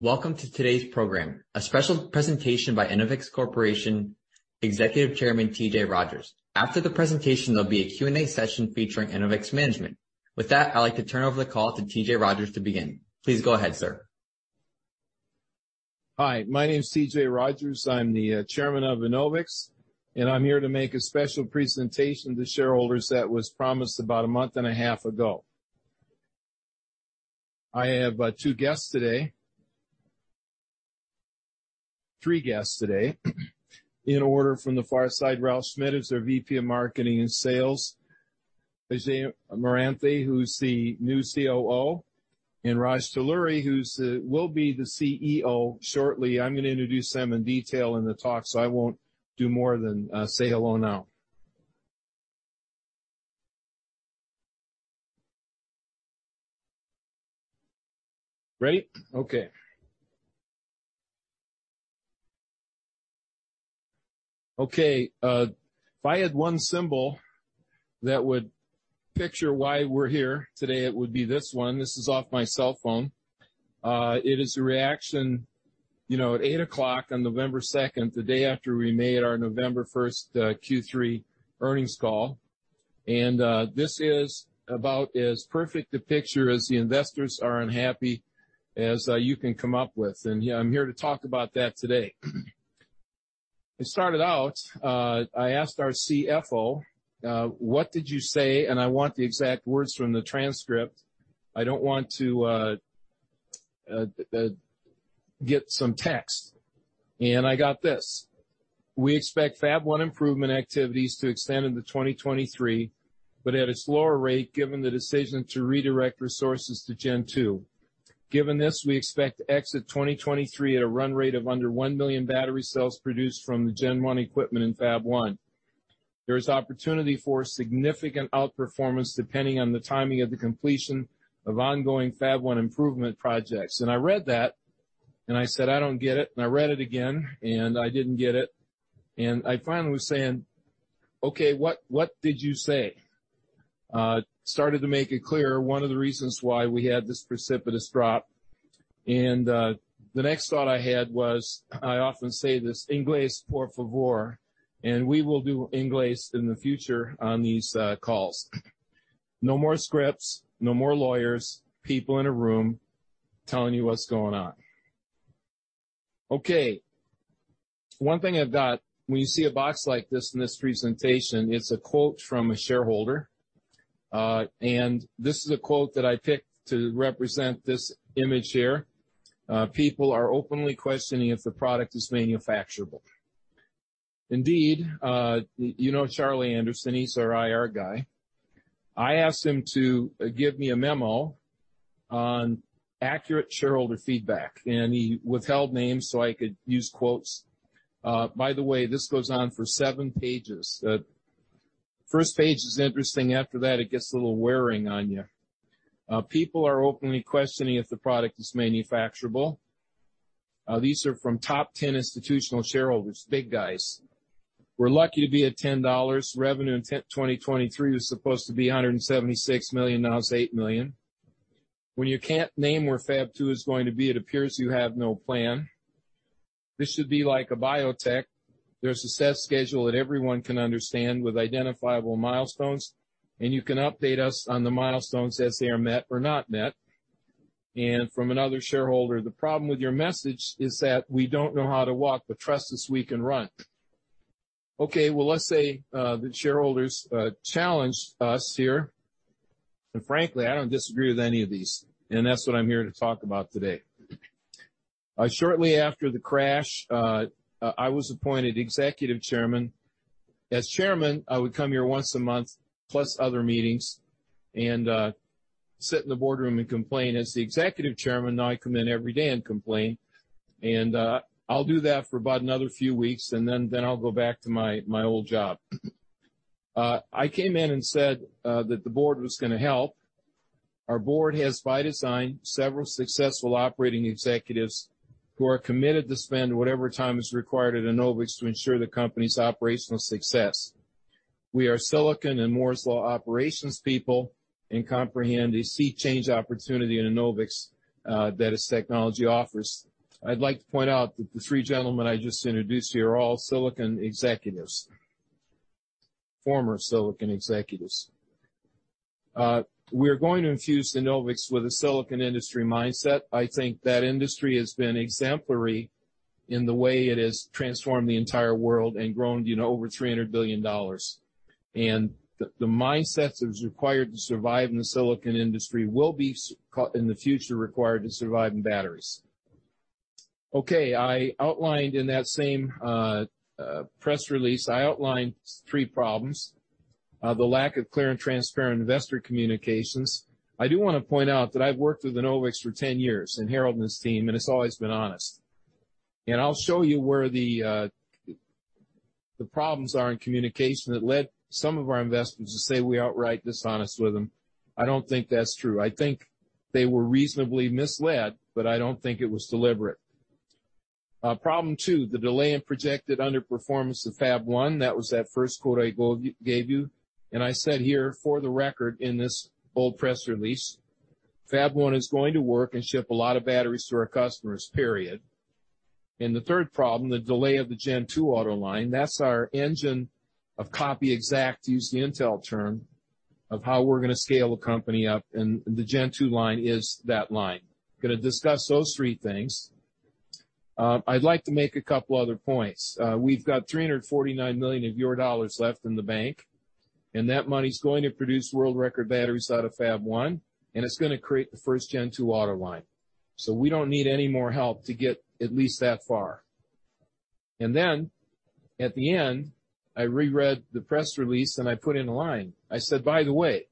Welcome to today's program, a special presentation by Enovix Corporation Executive Chairman, T.J. Rodgers. After the presentation, there'll be a Q&A session featuring Enovix management. With that, I'd like to turn over the call to T.J. Rodgers to begin. Please go ahead, sir. Hi, my name is T.J. Rodgers. I'm the Chairman of Enovix, and I'm here to make a special presentation to shareholders that was promised about a month and a half ago. I have two guests today. three guests today. In order from the far side, Ralph Schmitt is their VP of Marketing and Sales. Ajay Marathe, who's the new COO, and Raj Talluri, who's the will be the CEO shortly. I'm gonna introduce them in detail in the talk, so I won't do more than say hello now. Ready? Okay. Okay. If I had one symbol that would picture why we're here today, it would be this one. This is off my cell phone. It is a reaction, you know, at 8:00 on November 2nd, the day after we made our November 1st Q3 earnings call. This is about as perfect a picture as the investors are unhappy as you can come up with. Yeah, I'm here to talk about that today. It started out, I asked our CFO, "What did you say? I want the exact words from the transcript. I don't want to get some text." I got this: "We expect Fab-1 improvement activities to extend into 2023, but at a slower rate given the decision to redirect resources to Gen2. Given this, we expect to exit 2023 at a run rate of under 1 million battery cells produced from the Gen1 equipment in Fab-1. There is opportunity for significant outperformance depending on the timing of the completion of ongoing Fab-1 improvement projects." I read that and I said, "I don't get it." I read it again and I didn't get it. I finally was saying, "Okay, what did you say?" It started to make it clear one of the reasons why we had this precipitous drop. The next thought I had was, I often say this, inglés por favor, and we will do inglés in the future on these calls. No more scripts, no more lawyers, people in a room telling you what's going on. Okay. One thing I've got, when you see a box like this in this presentation, it's a quote from a shareholder. This is a quote that I picked to represent this image here. People are openly questioning if the product is manufacturable." Indeed, you know Charlie Anderson, he's our IR guy. I asked him to give me a memo on accurate shareholder feedback, he withheld names so I could use quotes. By the way, this goes on for 7 pages. The first page is interesting. After that, it gets a little wearing on you. "People are openly questioning if the product is manufacturable." These are from top 10 institutional shareholders, big guys. "We're lucky to be at $10. Revenue in 2023 is supposed to be $176 million. Now it's $8 million." "When you can't name where Fab-2 is going to be, it appears you have no plan." "This should be like a biotech. There's a set schedule that everyone can understand with identifiable milestones, and you can update us on the milestones as they are met or not met." From another shareholder, "The problem with your message is that we don't know how to walk, but trust us, we can run." Okay, well, let's say the shareholders challenged us here. Frankly, I don't disagree with any of these, and that's what I'm here to talk about today. Shortly after the crash, I was appointed Executive Chairman. As chairman, I would come here once a month plus other meetings and sit in the boardroom and complain. As the Executive Chairman, now I come in every day and complain. I'll do that for about another few weeks and then I'll go back to my old job. I came in and said that the board was gonna help. Our board has, by design, several successful operating executives who are committed to spend whatever time is required at Enovix to ensure the company's operational success. We are Silicon and Moore's Law operations people and comprehend a sea change opportunity in Enovix that its technology offers. I'd like to point out that the three gentlemen I just introduced here are all Silicon executives. Former Silicon executives. We're going to infuse Enovix with a Silicon industry mindset. I think that industry has been exemplary in the way it has transformed the entire world and grown, you know, over $300 billion. The mindsets that is required to survive in the Silicon industry will be in the future, required to survive in batteries. Okay, I outlined in that same press release, I outlined three problems. The lack of clear and transparent investor communications. I do wanna point out that I've worked with Enovix for 10 years and Harold and his team, and it's always been honest. I'll show you where the problems are in communication that led some of our investors to say we're outright dishonest with them. I don't think that's true. I think they were reasonably misled, but I don't think it was deliberate. Problem 2, the delay in projected underperformance of Fab-1. That was that 1st quote I gave you. I said here for the record in this bold press release, Fab-1 is going to work and ship a lot of batteries to our customers, period. The third problem, the delay of the Gen2 auto line, that's our engine of copy exact, to use the Intel term, of how we're gonna scale the company up. The Gen2 line is that line. Gonna discuss those three things. I'd like to make a couple other points. We've got $349 million of your dollars left in the bank, and that money's going to produce world-record batteries out of Fab-1, and it's gonna create the first Gen2 auto line. We don't need any more help to get at least that far. At the end, I reread the press release, and I put in a line. I said, "By the way,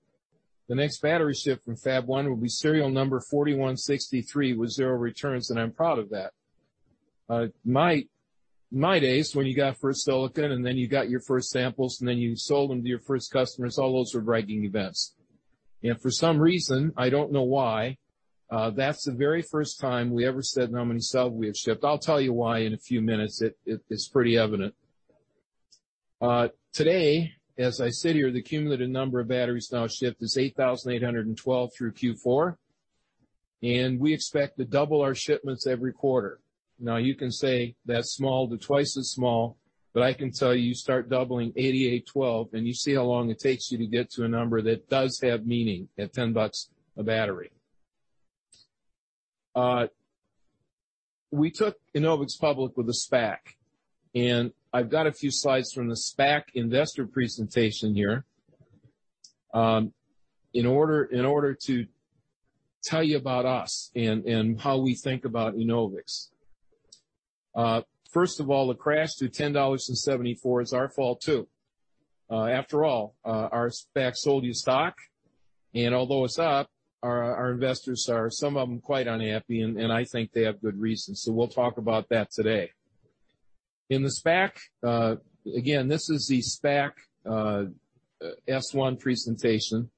the next battery ship from Fab-1 will be serial number 4163 with 0 returns, and I'm proud of that." my days when you got first silicon and then you got your first samples, and then you sold them to your first customers, all those were bragging events. For some reason, I don't know why, that's the very first time we ever said how many cells we have shipped. I'll tell you why in a few minutes. It is pretty evident. Today, as I sit here, the cumulative number of batteries now shipped is 8,812 through Q4, and we expect to double our shipments every quarter. You can say that's small, they're twice as small, but I can tell you start doubling 88 12 and you see how long it takes you to get to a number that does have meaning at $10 a battery. We took Enovix public with a SPAC, I've got a few slides from the SPAC investor presentation here, in order to tell you about us and how we think about Enovix. First of all, the crash to $10.74 is our fault too. After all, our SPAC sold you stock, although it's up, our investors are, some of them, quite unhappy, and I think they have good reason. We'll talk about that today. Again, this is the SPAC S1 presentation.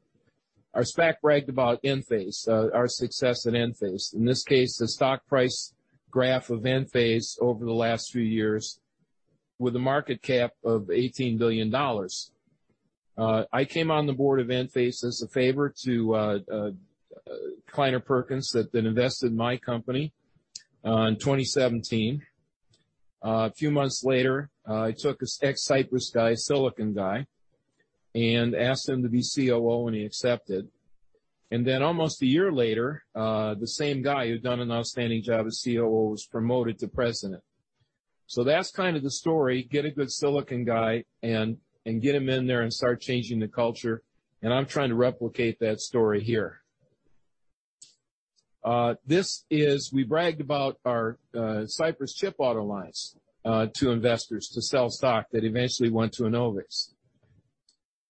Our SPAC bragged about Enphase, our success at Enphase. In this case, the stock price graph of Enphase over the last few years with a market cap of $18 billion. I came on the board of Enphase as a favor to Kleiner Perkins that then invested in my company in 2017. A few months later, I took this ex-Cypress guy, silicon guy, and asked him to be COO, and he accepted. Almost a year later, the same guy who'd done an outstanding job as COO was promoted to president. That's kind of the story. Get a good silicon guy and get him in there and start changing the culture. I'm trying to replicate that story here. We bragged about our Cypress chip auto lines to investors to sell stock that eventually went to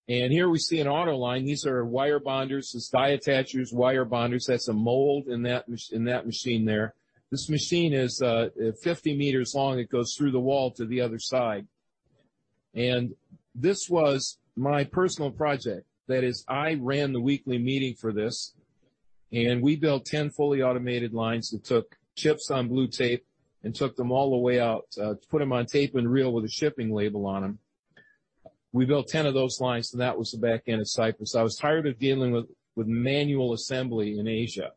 Enovix. Here we see an auto line. These are wire bonders. That's die attachers, wire bonders. That's a mold in that machine there. This machine is 50 meters long. It goes through the wall to the other side. This was my personal project. That is, I ran the weekly meeting for this, and we built 10 fully automated lines that took chips on blue tape and took them all the way out to put them on tape and reel with a shipping label on them. We built 10 of those lines, and that was the back end of Cypress. I was tired of dealing with manual assembly in Asia.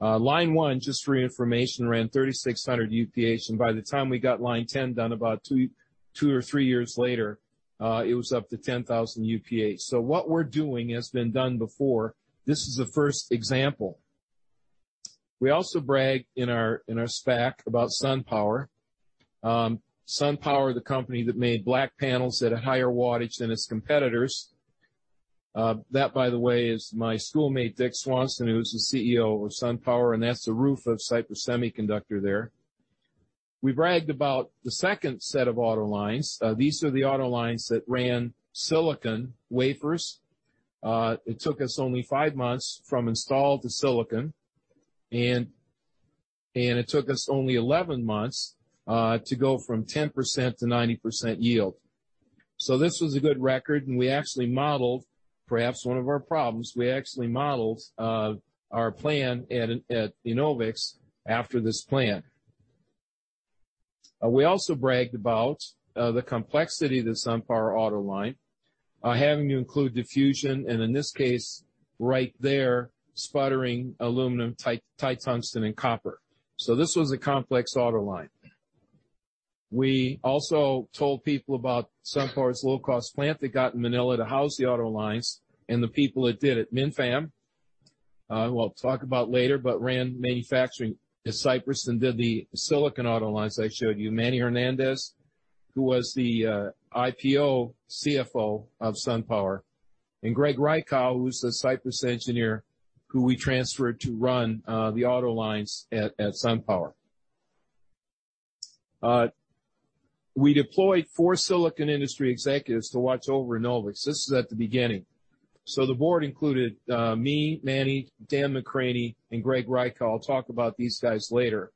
Line 1, just for your information, ran 3,600 UPH. By the time we got Line 10 done about 2 or 3 years later, it was up to 10,000 UPH. What we're doing has been done before. This is the first example. We also bragged in our SPAC about SunPower. SunPower, the company that made black panels at a higher wattage than its competitors. That, by the way, is my schoolmate, Dick Swanson, who's the CEO of SunPower, and that's the roof of Cypress Semiconductor there. We bragged about the second set of auto lines. These are the auto lines that ran silicon wafers. It took us only 5 months from install to silicon. It took us only 11 months to go from 10% to 90% yield. This was a good record, and we actually modeled. Perhaps one of our problems. We actually modeled our plan at Enovix after this plan. We also bragged about the complexity of the SunPower auto line, having to include diffusion and in this case right there, sputtering aluminum ti-tungsten and copper. So this was a complex auto line. We also told people about SunPower's low-cost plant they got in Manila to house the auto lines and the people that did it. Minh Pham, we'll talk about later, but ran manufacturing at Cypress Semiconductor Corporation and did the silicon auto lines I showed you. Manny Hernandez, who was the IPO CFO of SunPower, and Greg Reichow, who's the Cypress Semiconductor Corporation engineer who we transferred to run the auto lines at SunPower. We deployed four silicon industry executives to watch over Enovix. This is at the beginning. So the board included me, Manny, Dan McCranie, and Greg Reichow. I'll talk about these guys later.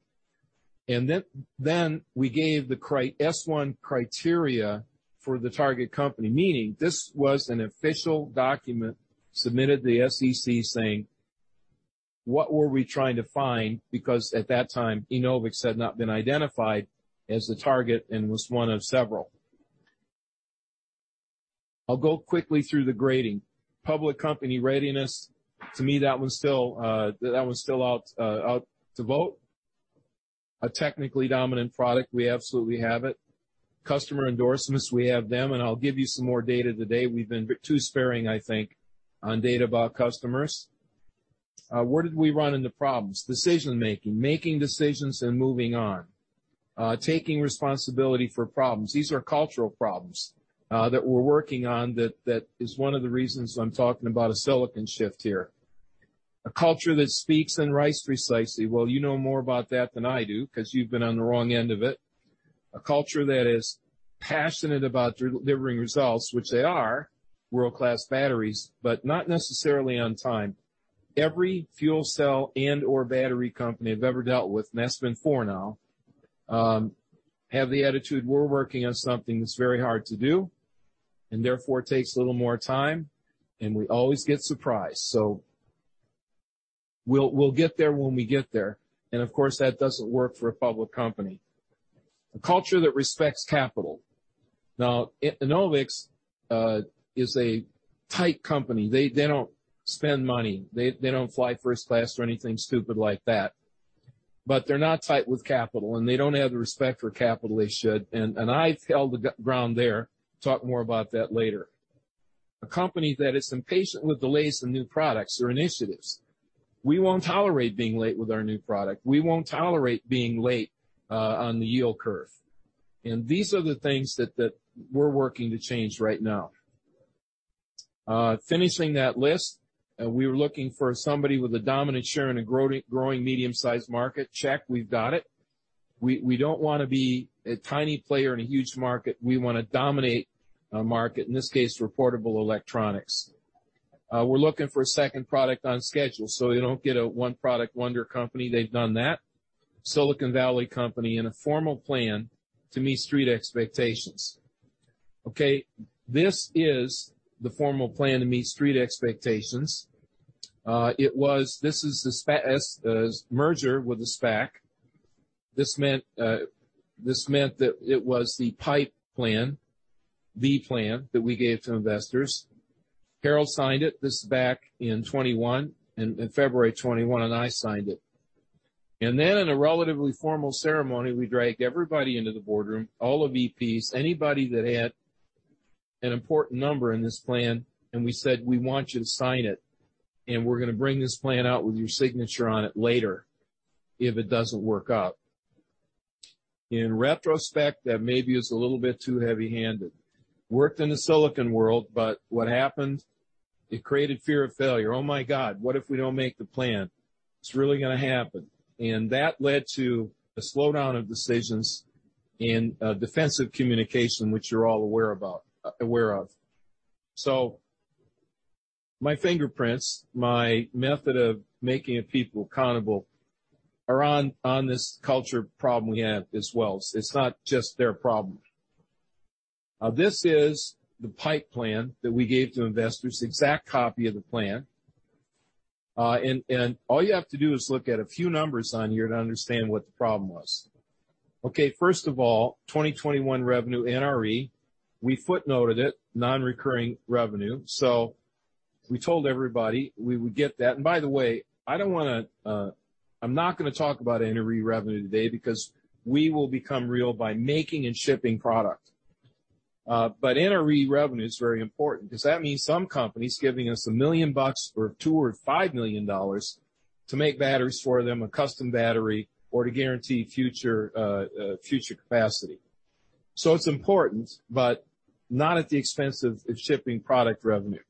Then we gave the S-1 criteria for the target company, meaning this was an official document submitted to the SEC. What were we trying to find? At that time, Enovix had not been identified as the target and was one of several. I'll go quickly through the grading. Public company readiness. To me, that one's still, that one's still out to vote. A technically dominant product. We absolutely have it. Customer endorsements, we have them. I'll give you some more data today. We've been too sparing, I think, on data about customers. Where did we run into problems? Decision-making, making decisions and moving on. Taking responsibility for problems. These are cultural problems that we're working on that is one of the reasons I'm talking about a silicon shift here. A culture that speaks and writes precisely. You know more about that than I do 'cause you've been on the wrong end of it. A culture that is passionate about delivering results, which they are, world-class batteries, but not necessarily on time. Every fuel cell and/or battery company I've ever dealt with, and that's been four now, have the attitude, we're working on something that's very hard to do, and therefore takes a little more time, and we always get surprised. We'll, we'll get there when we get there, and of course, that doesn't work for a public company. A culture that respects capital. Enovix is a tight company. They don't spend money. They don't fly first class or anything stupid like that. They're not tight with capital, and they don't have the respect for capital they should. I failed to get ground there. Talk more about that later. A company that is impatient with delays in new products or initiatives. We won't tolerate being late with our new product. We won't tolerate being late on the yield curve. These are the things that we're working to change right now. Finishing that list, we were looking for somebody with a dominant share in a growing medium-sized market. Check. We've got it. We don't wanna be a tiny player in a huge market. We wanna dominate a market, in this case, for portable electronics. We're looking for a second product on schedule, so you don't get a one-product wonder company. They've done that. Silicon Valley company and a formal plan to meet street expectations. Okay, this is the formal plan to meet street expectations. It was. This is the s-merger with the SPAC. This meant, this meant that it was the PIPE plan, the plan that we gave to investors. Harold signed it. This is back in 2021, in February 2021, I signed it. Then in a relatively formal ceremony, we dragged everybody into the boardroom, all the VPs, anybody that had an important number in this plan, and we said, "We want you to sign it, and we're gonna bring this plan out with your signature on it later if it doesn't work out." In retrospect, that maybe is a little bit too heavy-handed. Worked in the silicon world. What happened, it created fear of failure. Oh, my God. What if we don't make the plan? It's really gonna happen. That led to a slowdown of decisions and defensive communication, which you're all aware about, aware of. My fingerprints, my method of making people accountable are on this culture problem we have as well. It's not just their problem. This is the PIPE plan that we gave to investors, exact copy of the plan. All you have to do is look at a few numbers on here to understand what the problem was. First of all, 2021 revenue NRE, we footnoted it, non-recurring revenue. We told everybody we would get that. By the way, I don't wanna, I'm not gonna talk about NRE revenue today because we will become real by making and shipping product. NRE revenue is very important 'cause that means some company's giving us $1 million or $2 million or $5 million to make batteries for them, a custom battery, or to guarantee future capacity. It's important, but not at the expense of shipping product revenue.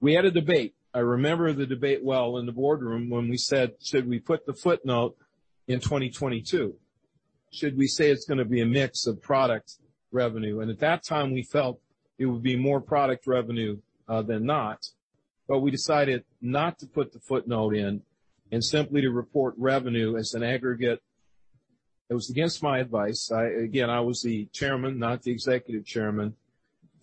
We had a debate. I remember the debate well in the boardroom when we said, "Should we put the footnote in 2022? Should we say it's gonna be a mix of product revenue?" At that time, we felt it would be more product revenue than not. We decided not to put the footnote in and simply to report revenue as an aggregate. It was against my advice. I, again, was the chairman, not the executive chairman.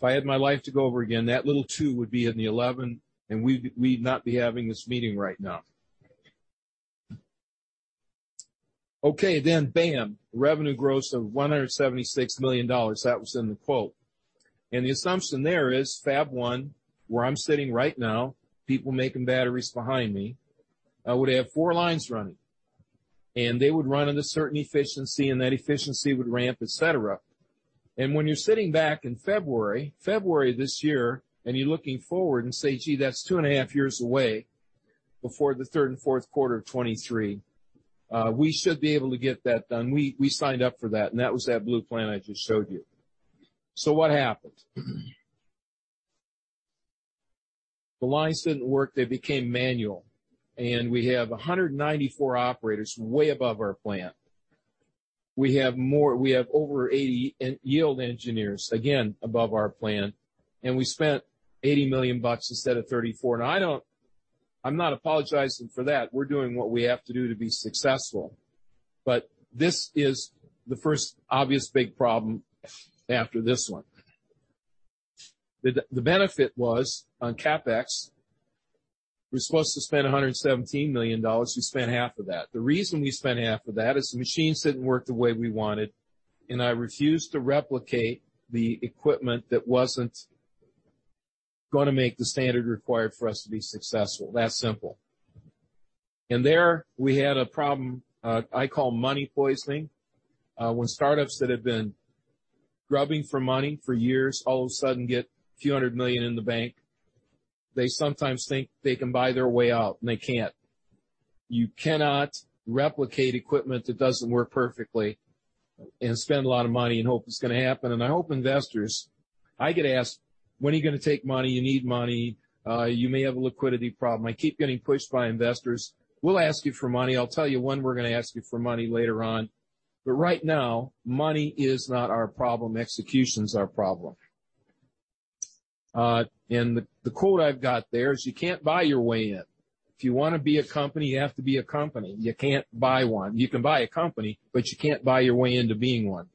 If I had my life to go over again, that little 2 would be in the 11, and we'd not be having this meeting right now. Okay, bam, revenue growth of $176 million. That was in the quote. The assumption there is Fab-1, where I'm sitting right now, people making batteries behind me, would have 4 lines running, and they would run at a certain efficiency, and that efficiency would ramp, et cetera. When you're sitting back in February this year, and you're looking forward and say, "Gee, that's 2 and a half years away, before the 3rd and 4th quarter of 2023, we should be able to get that done." We signed up for that, and that was that blue plan I just showed you. What happened? The lines didn't work. They became manual. We have 194 operators, way above our plan. We have over 80 yield engineers, again, above our plan. We spent $80 million instead of $34 million. I'm not apologizing for that. We're doing what we have to do to be successful. This is the first obvious big problem after this one. The benefit was on CapEx, we're supposed to spend $117 million, we spent half of that. The reason we spent half of that is the machines didn't work the way we wanted, and I refused to replicate the equipment that wasn't gonna make the standard required for us to be successful. That simple. There we had a problem, I call money poisoning. When startups that have been grubbing for money for years, all of a sudden get a few hundred million in the bank, they sometimes think they can buy their way out, and they can't. You cannot replicate equipment that doesn't work perfectly and spend a lot of money and hope it's gonna happen. I hope investors. I get asked, "When are you gonna take money? You need money. You may have a liquidity problem." I keep getting pushed by investors. We'll ask you for money. I'll tell you when we're gonna ask you for money later on. Right now, money is not our problem. Execution's our problem. The, the quote I've got there is, "You can't buy your way in. If you wanna be a company, you have to be a company. You can't buy one. You can buy a company, but you can't buy your way into being one."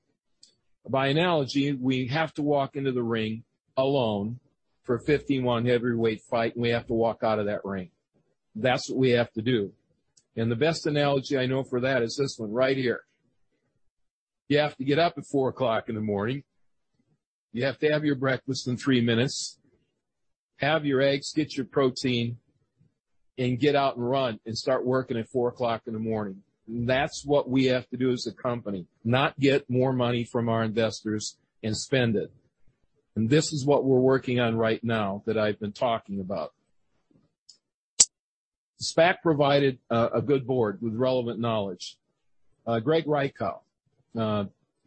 By analogy, we have to walk into the ring alone for a 51 heavyweight fight, and we have to walk out of that ring. That's what we have to do. The best analogy I know for that is this one right here. You have to get up at 4:00 A.M. You have to have your breakfast in 3 minutes, have your eggs, get your protein, and get out and run and start working at 4:00 A.M. That's what we have to do as a company. Not get more money from our investors and spend it. This is what we're working on right now that I've been talking about. SPAC provided a good board with relevant knowledge. Greg Reichow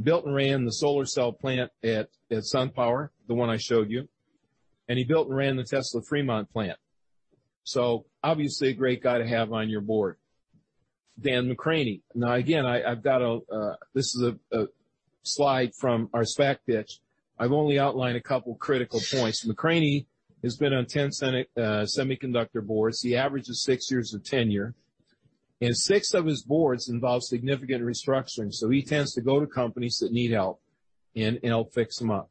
built and ran the solar cell plant at SunPower, the one I showed you. He built and ran the Tesla Fremont plant. Obviously a great guy to have on your board. Dan McCranie. Again, I've got a, this is a slide from our SPAC pitch. I've only outlined a couple critical points. McCranie has been on 10 semiconductor boards. He averages 6 years of tenure, and 6 of his boards involve significant restructuring, so he tends to go to companies that need help and help fix them up.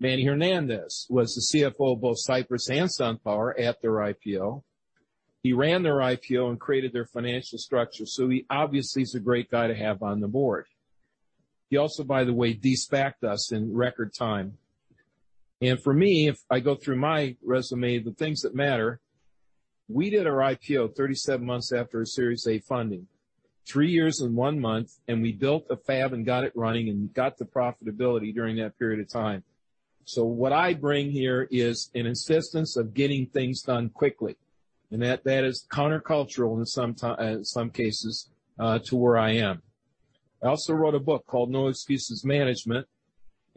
Manny Hernandez was the CFO of both Cypress and SunPower at their IPO. He ran their IPO and created their financial structure, so he obviously is a great guy to have on the board. He also, by the way, de-SPAC'd us in record time. For me, if I go through my resume, the things that matter, we did our IPO 37 months after a Series A funding, 3 years and 1 month, and we built the Fab and got it running and got to profitability during that period of time. What I bring here is an insistence of getting things done quickly, and that is countercultural in some cases to where I am. I also wrote a book called No-Excuses Management,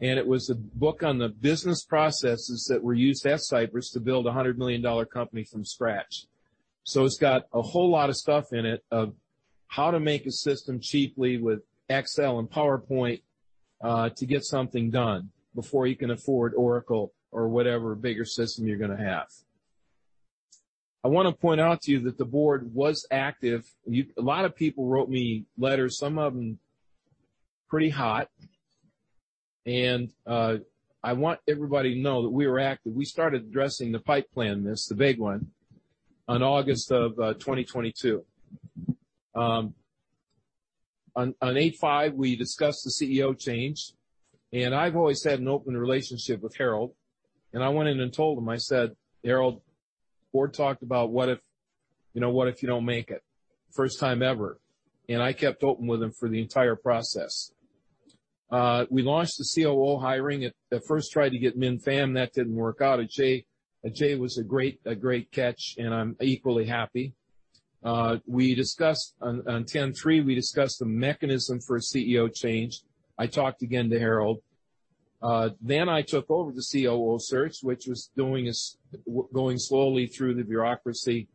it was a book on the business processes that were used at Cypress to build a $100 million company from scratch. It's got a whole lot of stuff in it of how to make a system cheaply with Excel and PowerPoint to get something done before you can afford Oracle or whatever bigger system you're gonna have. I wanna point out to you that the board was active. A lot of people wrote me letters, some of them pretty hot. I want everybody to know that we were active. We started addressing the pipe plan, this, the big one, on August of 2022. On 8/5, we discussed the CEO change. I've always had an open relationship with Harold, I went in and told him, I said, "Harold, the board talked about what if, you know, what if you don't make it?" First time ever, I kept open with him for the entire process. We launched the COO hiring. I first tried to get Minh Pham, that didn't work out. Ajay was a great catch, I'm equally happy. We discussed on 10/3, we discussed the mechanism for a CEO change. I talked again to Harold. I took over the COO search, which was going slowly through the bureaucracy,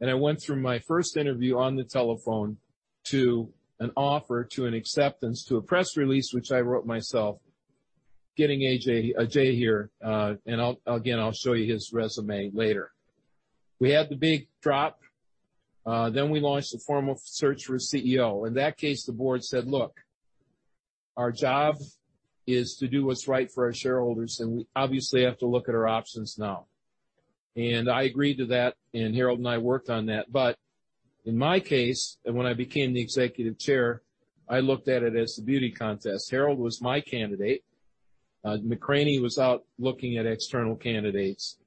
and I went through my first interview on the telephone to an offer, to an acceptance, to a press release, which I wrote myself, getting AJ, Ajay here. Again, I'll show you his resume later. We had the big drop, we launched a formal search for a CEO. In that case, the board said, "Look, our job is to do what's right for our shareholders, and we obviously have to look at our options now." I agreed to that, and Harold and I worked on that. In my case, when I became the executive chair, I looked at it as the beauty contest. Harold was my candidate. McCraney was out looking at external candidates,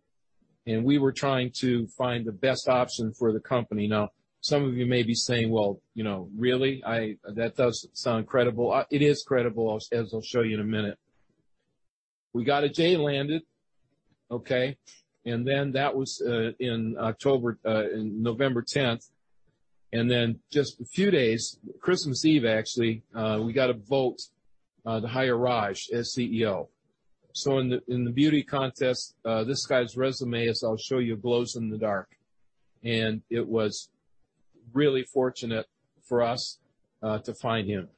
and we were trying to find the best option for the company. Now, some of you may be saying, "Well, you know, really? That does sound credible." It is credible as I'll show you in a minute. We got Ajay landed, okay? That was in October, in November 10th. Just a few days, Christmas Eve, actually, we got a vote to hire Raj as CEO. In the beauty contest, this guy's resume, as I'll show you, glows in the dark. It was really fortunate for us to find him.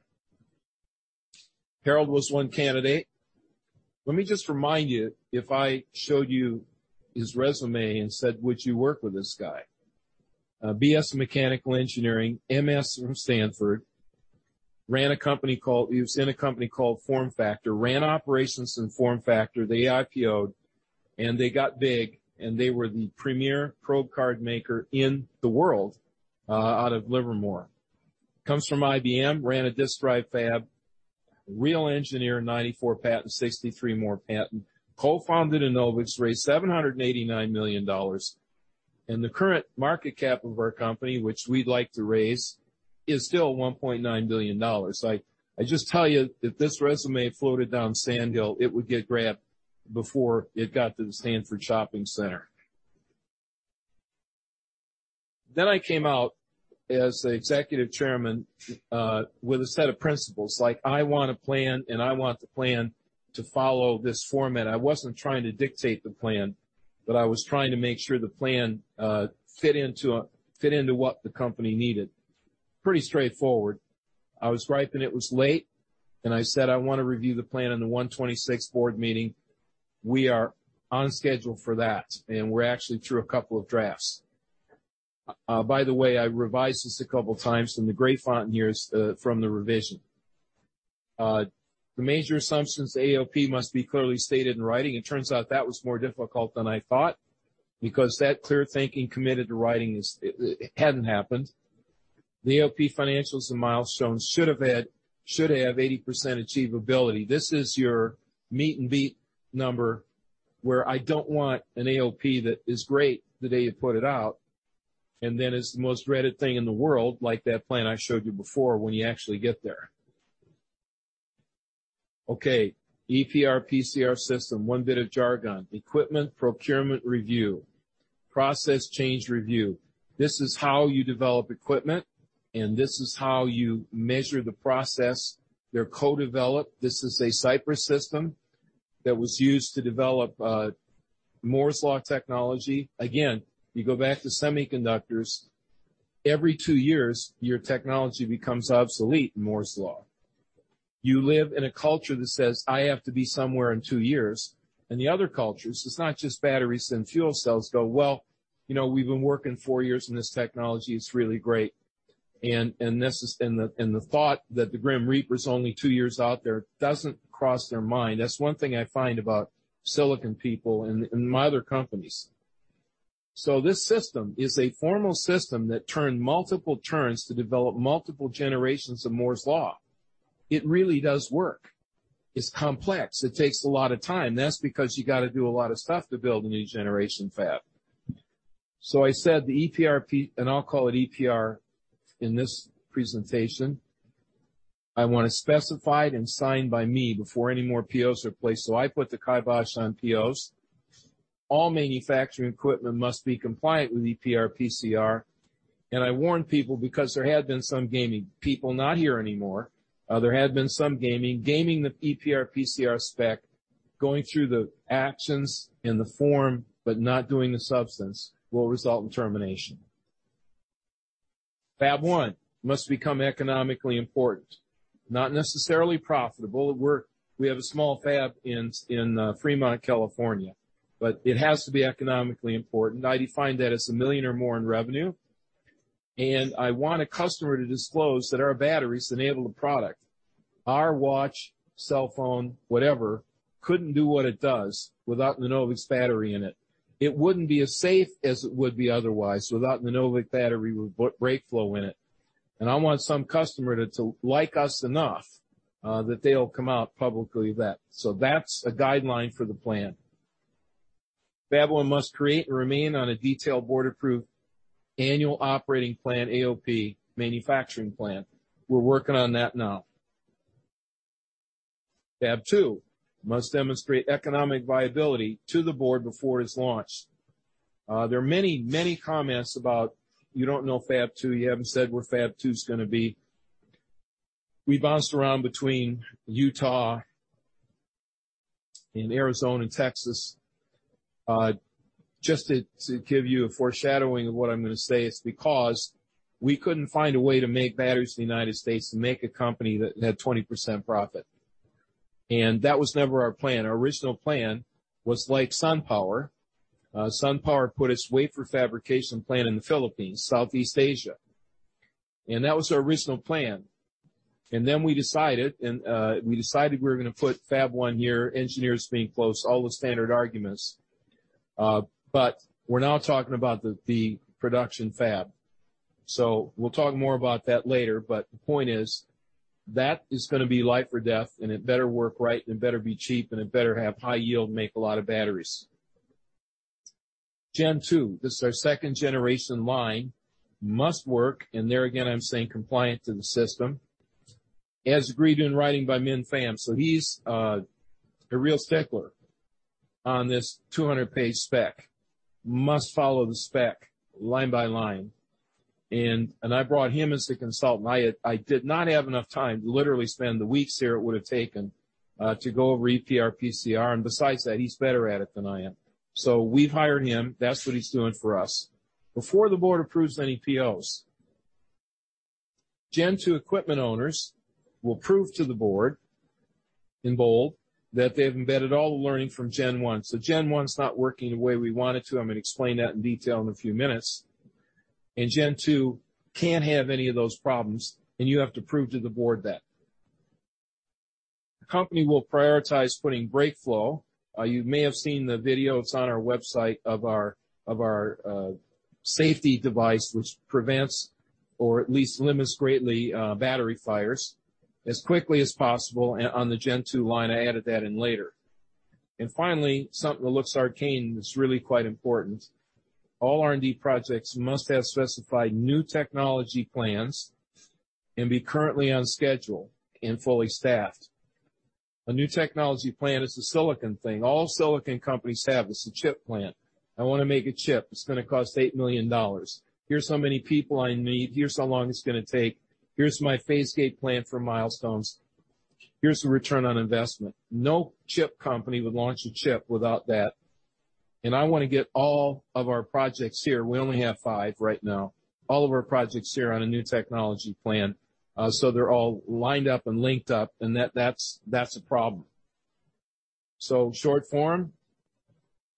Harold was one candidate. Let me just remind you, if I showed you his resume and said, "Would you work with this guy?" BS in mechanical engineering, MS from Stanford. Ran a company called. He was in a company called FormFactor, ran operations in FormFactor. They IPO'd, they got big, they were the premier probe card maker in the world out of Livermore. Comes from IBM, ran a disk drive fab, real engineer, 94 patents, 63 more patent. Co-founded Nanovate, raised $789 million. The current market cap of our company, which we'd like to raise, is still $1.9 billion. Like, I just tell you, if this resume floated down Sand Hill, it would get grabbed before it got to the Stanford Shopping Center. I came out as the Executive Chairman, with a set of principles, like, I want a plan, and I want the plan to follow this format. I wasn't trying to dictate the plan, but I was trying to make sure the plan fit into what the company needed. Pretty straightforward. I was ripe, and it was late, and I said, "I want to review the plan on the 1/26 board meeting." We are on schedule for that, and we're actually through a couple of drafts. By the way, I revised this a couple of times, and the gray font here is from the revision. The major assumptions, the AOP must be clearly stated in writing. It turns out that was more difficult than I thought because that clear thinking committed to writing is, it hadn't happened. The AOP financials and milestones should have 80% achievability. This is your meet and beat number where I don't want an AOP that is great the day you put it out, then it's the most dreaded thing in the world, like that plan I showed you before when you actually get there. Okay, EPR-PCR system, 1 bit of jargon. Equipment Procurement Review, Process Change Review. This is how you develop equipment, and this is how you measure the process. They're co-developed. This is a Cypress system that was used to develop Moore's Law technology. Again, you go back to semiconductors. Every 2 years, your technology becomes obsolete in Moore's Law. You live in a culture that says, "I have to be somewhere in 2 years." The other cultures, it's not just batteries and fuel cells, go, "Well, you know, we've been working 4 years, and this technology is really great." This is. The, and the thought that the Grim Reaper is only two years out there doesn't cross their mind. That's one thing I find about silicon people in my other companies. This system is a formal system that turned multiple turns to develop multiple generations of Moore's Law. It really does work. It's complex. It takes a lot of time. That's because you gotta do a lot of stuff to build a new generation fab. I said the EPR. I'll call it EPR in this presentation. I want it specified and signed by me before any more POs are placed. I put the kibosh on POs. All manufacturing equipment must be compliant with EPR- PCR. I warn people because there had been some gaming. People not here anymore. There had been some gaming. Gaming the EPR-PCR spec, going through the actions and the form, but not doing the substance, will result in termination. Fab-1 must become economically important. Not necessarily profitable. We have a small Fab in Fremont, California. It has to be economically important. I define that as $1 million or more in revenue. I want a customer to disclose that our batteries enable the product. Our watch, cell phone, whatever, couldn't do what it does without the Enovix battery in it. It wouldn't be as safe as it would be otherwise without the Enovix battery with BrakeFlow in it. I want some customer to like us enough that they'll come out publicly that. That's a guideline for the plan. Fab-1 must create and remain on a detailed board-approved annual operating plan, AOP, manufacturing plan. We're working on that now. Fab-2 must demonstrate economic viability to the board before it's launched. There are many, many comments about you don't know Fab-2, you haven't said where Fab-2's gonna be. We bounced around between Utah and Arizona and Texas. Just to give you a foreshadowing of what I'm gonna say, it's because we couldn't find a way to make batteries in the United States to make a company that had 20% profit. That was never our plan. Our original plan was like SunPower. SunPower put its wafer fabrication plant in the Philippines, Southeast Asia. That was our original plan. We decided we're gonna put Fab-1 here, engineers being close, all the standard arguments. We're now talking about the production fab. We'll talk more about that later, but the point is, that is gonna be life or death, and it better work right, and it better be cheap, and it better have high yield and make a lot of batteries. Gen2, this is our second generation line, must work, and there again, I'm saying compliant to the system, as agreed in writing by Minh Pham. He's a real stickler on this 200-page spec. Must follow the spec line by line. I did not have enough time to literally spend the weeks here it would have taken to go over EPR-PCR. Besides that, he's better at it than I am. We've hired him. That's what he's doing for us. Before the board approves any POs, Gen2 equipment owners will prove to the board that they've embedded all the learning from Gen1. Gen1's not working the way we want it to. I'm gonna explain that in detail in a few minutes. Gen2 can't have any of those problems, and you have to prove to the board that. The company will prioritize putting BrakeFlow. You may have seen the video, it's on our website, of our, of our safety device, which prevents or at least limits greatly battery fires as quickly as possible and on the Gen2 line. I added that in later. Finally, something that looks arcane, it's really quite important. All R&D projects must have specified new technology plans and be currently on schedule and fully staffed. A new technology plan is a silicon thing. All silicon companies have. It's a chip plant. I wanna make a chip. It's gonna cost $8 million. Here's how many people I need. Here's how long it's gonna take. Here's my phase gate plan for milestones. Here's the ROI. No chip company would launch a chip without that. I wanna get all of our projects here, we only have 5 right now, all of our projects here on a new technology plan. So they're all lined up and linked up, and that's a problem. Short form,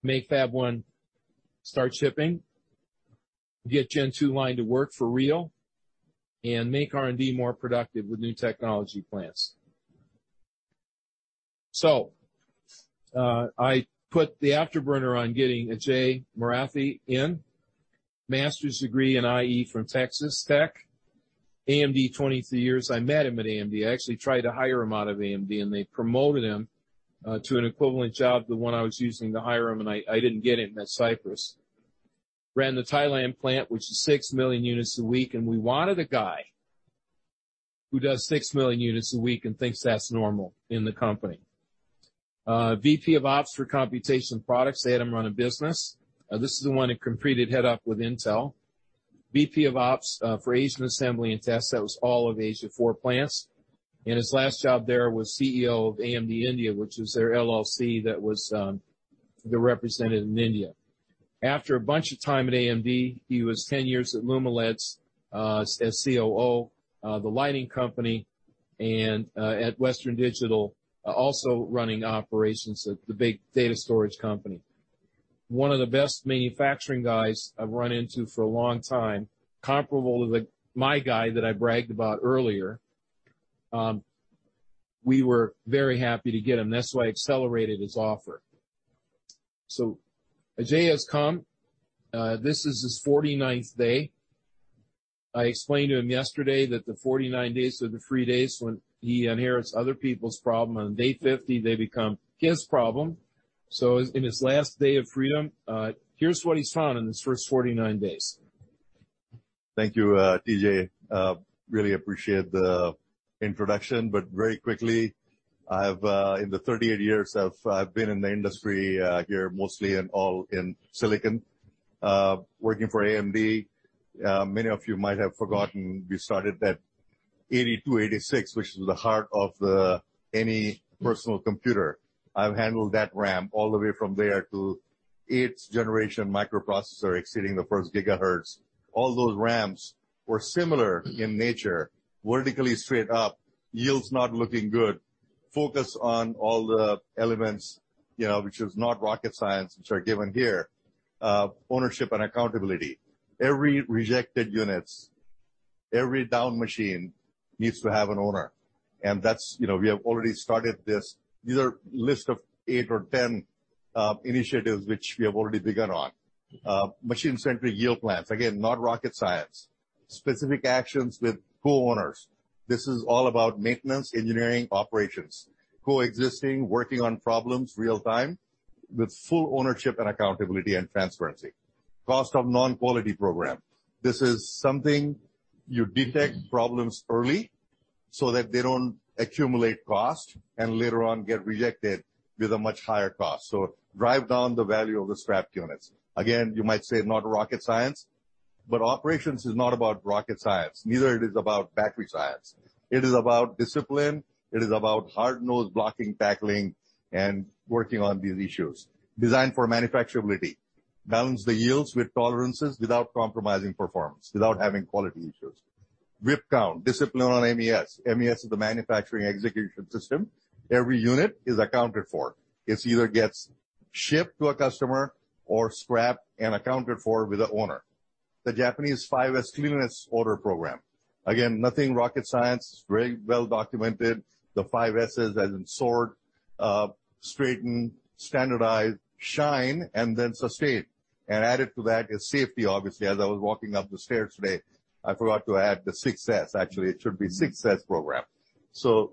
make Fab-1 start shipping, get Gen2 line to work for real, and make R&D more productive with new technology plans. I put the afterburner on getting Ajay Marathe in. Master's degree in IE from Texas Tech. AMD, 22 years. I met him at AMD. I actually tried to hire him out of AMD, and they promoted him to an equivalent job to the one I was using to hire him, and I didn't get him at Cypress. Ran the Thailand plant, which is 6 million units a week, and we wanted a guy who does 6 million units a week and thinks that's normal in the company. VP of ops for computation products. They had him run a business. This is the one that competed head-up with Intel. VP of ops for Asian assembly and tests. That was all of Asia, 4 plants. His last job there was CEO of AMD India, which is their LLC that was the representative in India. After a bunch of time at AMD, he was 10 years at Lumileds, as COO, the lighting company, and at Western Digital, also running operations at the big data storage company. One of the best manufacturing guys I've run into for a long time, comparable to my guy that I bragged about earlier. We were very happy to get him. That's why I accelerated his offer. Ajay has come. This is his 49th day. I explained to him yesterday that the 49 days are the free days when he inherits other people's problem. On day 50, they become his problem. In his last day of freedom, here's what he's found in his first 49th days. Thank you, T.J. Very quickly, I've, in the 38 years I've been in the industry, here mostly and all in silicon, working for AMD, many of you might have forgotten we started that 82, 86, which is the heart of any personal computer. I've handled that ramp all the way from there to its generation microprocessor exceeding the 1st GHz. All those ramps were similar in nature, vertically straight up, yields not looking good, focus on all the elements, you know, which is not rocket science, which are given here. Ownership and accountability. Every rejected units, every down machine needs to have an owner. That's, you know, we have already started this. These are list of 8 or 10 initiatives which we have already begun on. Machine-centric yield plans. Again, not rocket science. Specific actions with co-owners. This is all about maintenance, engineering, operations coexisting, working on problems real-time with full ownership and accountability and transparency. Cost of non-quality program. This is something you detect problems early so that they don't accumulate cost and later on get rejected with a much higher cost. Drive down the value of the scrap units. Again, you might say not rocket science, but operations is not about rocket science. Neither it is about battery science. It is about discipline. It is about hard-nosed blocking, tackling, and working on these issues. Design for manufacturability. Balance the yields with tolerances without compromising performance, without having quality issues. Whip count, discipline on MES. MES is the manufacturing execution system. Every unit is accounted for. It's either gets shipped to a customer or scrapped and accounted for with the owner. The Japanese 5S cleanliness order program. Again, nothing rocket science. It's very well documented. The 5S as in sort, straighten, standardize, shine, and then sustain. Added to that is safety, obviously. As I was walking up the stairs today, I forgot to add the sixth S. Actually, it should be 6S program.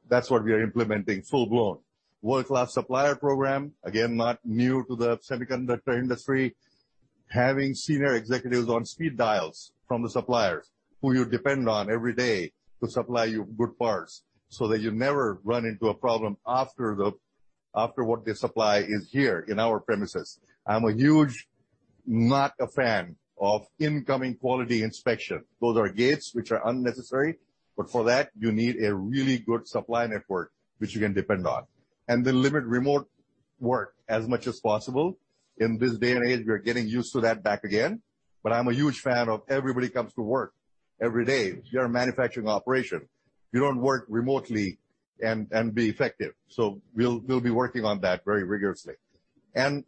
That's what we are implementing full-blown. World-class supplier program, again, not new to the semiconductor industry. Having senior executives on speed dials from the suppliers who you depend on every day to supply you good parts, so that you never run into a problem after what they supply is here in our premises. I'm a huge not a fan of incoming quality inspection. Those are gates which are unnecessary, but for that, you need a really good supply network which you can depend on. The limited remote work as much as possible. In this day and age, we are getting used to that back again, but I'm a huge fan of everybody comes to work every day. We are a manufacturing operation. You don't work remotely and be effective. We'll be working on that very rigorously.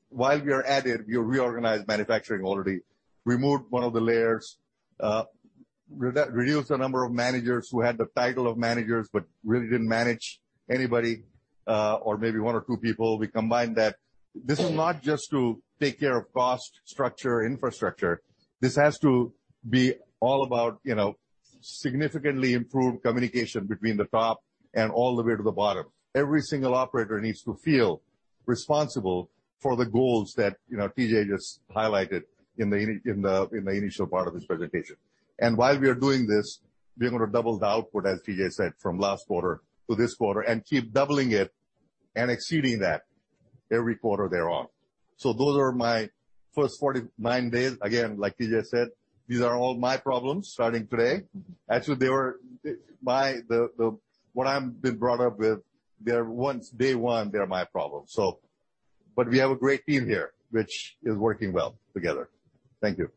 While we are at it, we reorganized manufacturing already, removed one of the layers, re-reduced the number of managers who had the title of managers, but really didn't manage anybody, or maybe one or two people, we combined that. This is not just to take care of cost, structure, infrastructure. This has to be all about, you know, significantly improved communication between the top and all the way to the bottom. Every single operator needs to feel responsible for the goals that, you know, T.J. just highlighted in the initial part of his presentation. While we are doing this, we're gonna double the output, as T.J. said, from last quarter to this quarter and keep doubling it and exceeding that every quarter thereon. Those are my first 49 days. Again, like T.J. said, these are all my problems starting today. Actually, what I've been brought up with, they're once, day one, they're my problems, so. We have a great team here, which is working well together. Thank you.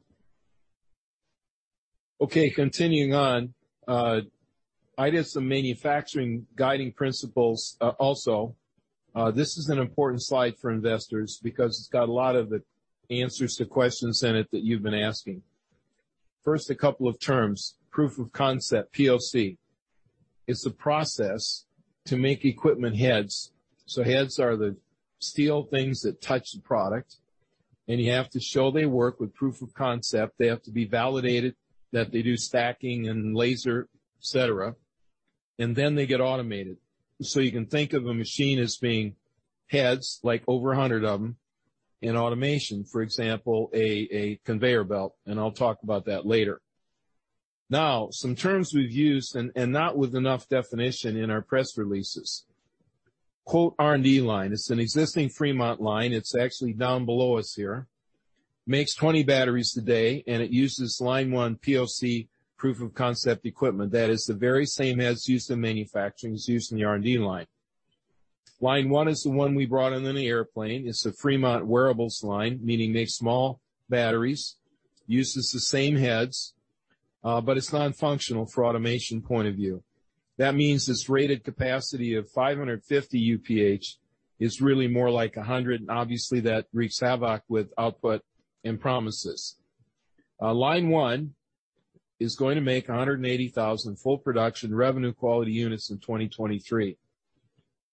Okay, continuing on. I did some manufacturing guiding principles also. This is an important slide for investors because it's got a lot of the answers to questions in it that you've been asking. First, a couple of terms. Proof Of Concept, PoC. It's a process to make equipment heads. Heads are the steel things that touch the product, and you have to show they work with proof of concept. They have to be validated that they do stacking and laser, et cetera. Then they get automated. You can think of a machine as being heads, like, over 100 of them, in automation, for example, a conveyor belt, and I'll talk about that later. Some terms we've used and not with enough definition in our press releases. Quote, R&D line. It's an existing Fremont line. It's actually down below us here. Makes 20 batteries today, and it uses Line 1 PoC proof of concept equipment. That is the very same heads used in manufacturing is used in the R&D line. Line 1 is the one we brought in in the airplane. It's a Fremont wearables line, meaning makes small batteries, uses the same heads, but it's non-functional for automation point of view. That means this rated capacity of 550 UPH is really more like 100, and obviously that wreaks havoc with output and promises. Line 1 is going to make 180,000 full production revenue quality units in 2023.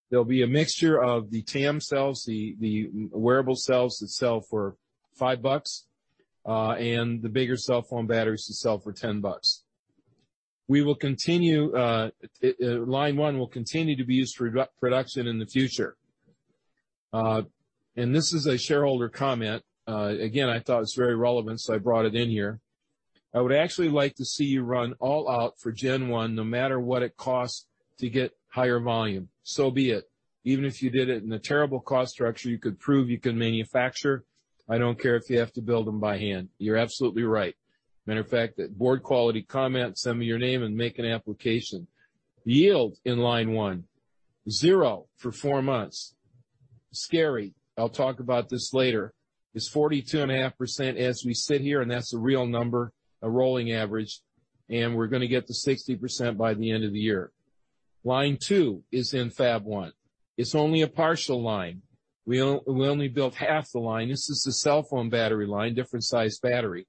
There'll be a mixture of the TAM cells, the wearable cells that sell for $5, and the bigger cell phone batteries that sell for $10. We will continue. Line 1 will continue to be used for pro-production in the future. This is a shareholder comment. Again, I thought it was very relevant, so I brought it in here. I would actually like to see you run all out for Gen1, no matter what it costs to get higher volume. So be it. Even if you did it in a terrible cost structure, you could prove you can manufacture. I don't care if you have to build them by hand. You're absolutely right. Matter of fact, board quality comment, send me your name, and make an application. Yield in Line 1, 0 for 4 months. Scary. I'll talk about this later. It's 42.5% as we sit here, that's a real number, a rolling average, we're gonna get to 60% by the end of the year. Line 2 is in Fab-1. It's only a partial line. We only built half the line. This is the cell phone battery line, different size battery.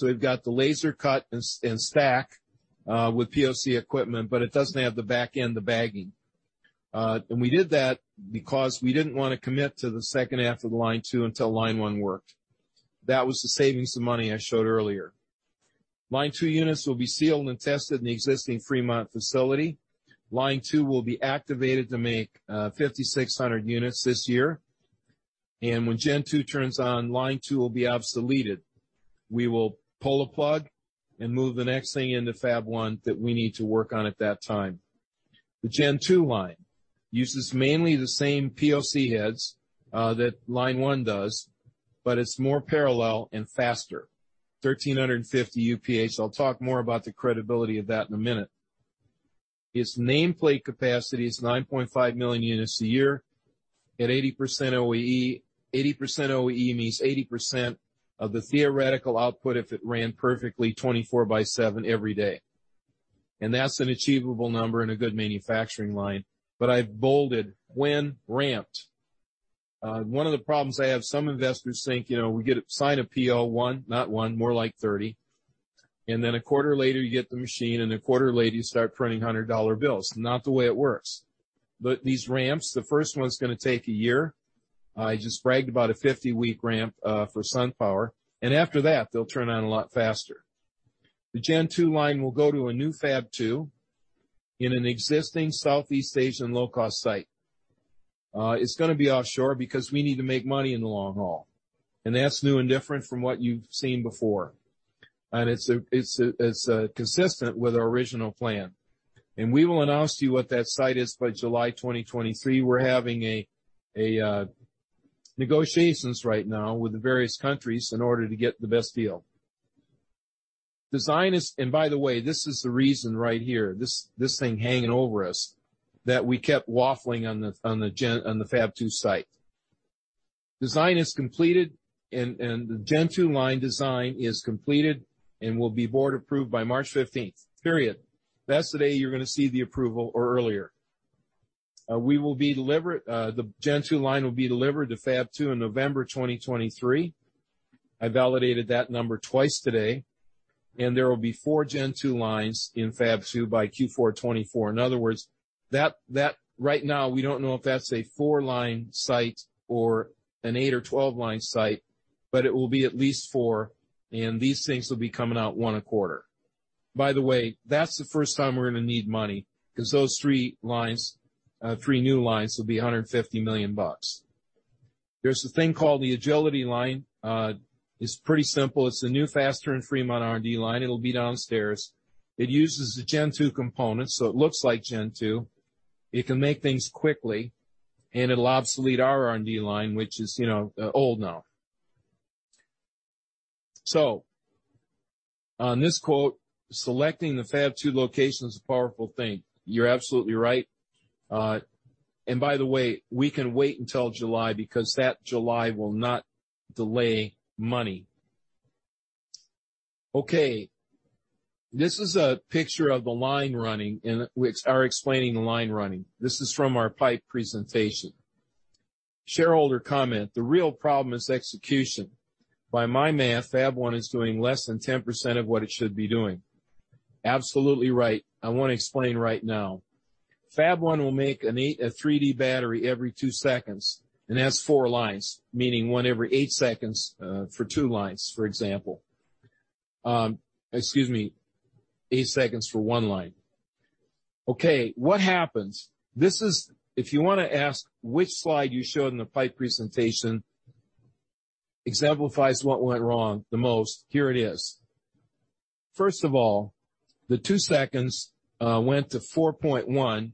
We've got the laser cut and stack with PoC equipment, it doesn't have the back end, the bagging. We did that because we didn't wanna commit to the second half of the Line 2 until Line 1 worked. That was the savings of money I showed earlier. Line 2 units will be sealed and tested in the existing Fremont facility. Line 2 will be activated to make 5,600 units this year. When Gen2 turns on, Line 2 will be obsoleted. We will pull the plug and move the next thing into Fab-1 that we need to work on at that time. The Gen2 line uses mainly the same PoC heads that Line 1 does, but it's more parallel and faster. 1,350 UPH. I'll talk more about the credibility of that in a minute. Its nameplate capacity is 9.5 million units a year at 80% OEE. 80% OEE means 80% of the theoretical output if it ran perfectly 24 by 7 every day. That's an achievable number in a good manufacturing line. I've bolded when ramped. One of the problems I have, some investors think, you know, we sign a PO 1, not 1, more like 30, and then a quarter later, you get the machine, and a quarter later, you start printing $100 bills. Not the way it works. These ramps, the first one's gonna take a year. I just bragged about a 50-week ramp for SunPower, and after that, they'll turn on a lot faster. The Gen2 line will go to a new Fab-2 in an existing Southeast Asian low-cost site. It's gonna be offshore because we need to make money in the long haul. That's new and different from what you've seen before. It's consistent with our original plan. We will announce to you what that site is by July 2023. We're having negotiations right now with the various countries in order to get the best deal. By the way, this is the reason right here, this thing hanging over us, that we kept waffling on the Fab-2 site. Design is completed and the Gen2 line design is completed and will be board approved by March 15th, period. That's the day you're gonna see the approval or earlier. The Gen2 line will be delivered to Fab-2 in November 2023. I validated that number twice today. There will be four Gen2 lines in Fab-2 by Q4 2024. In other words, that right now we don't know if that's a 4 line site or an 8 or 12 line site. It will be at least 4, and these things will be coming out 1 a quarter. By the way, that's the first time we're gonna need money, 'cause those 3 new lines will be $150 million. There's a thing called the Agility Line. It's pretty simple. It's a new, faster, and Fremont R&D line. It'll be downstairs. It uses the Gen2 components, so it looks like Gen2. It can make things quickly, and it'll obsolete our R&D line, which is, you know, old now. On this quote, 'Selecting the Fab-2 location is a powerful thing.' You're absolutely right. By the way, we can wait until July because that July will not delay money. Okay. This is a picture of the line running and we are explaining the line running. This is from our PIPE presentation. Shareholder comment, "The real problem is execution. By my math, Fab-1 is doing less than 10% of what it should be doing." Absolutely right. I wanna explain right now. Fab-1 will make a 3D battery every 2 seconds, and that's 4 lines, meaning 1 every 8 seconds, for 2 lines, for example. Excuse me, 8 seconds for 1 line. Okay, what happens? If you wanna ask which slide you showed in the PIPE presentation exemplifies what went wrong the most, here it is. First of all, the 2 seconds went to 4.1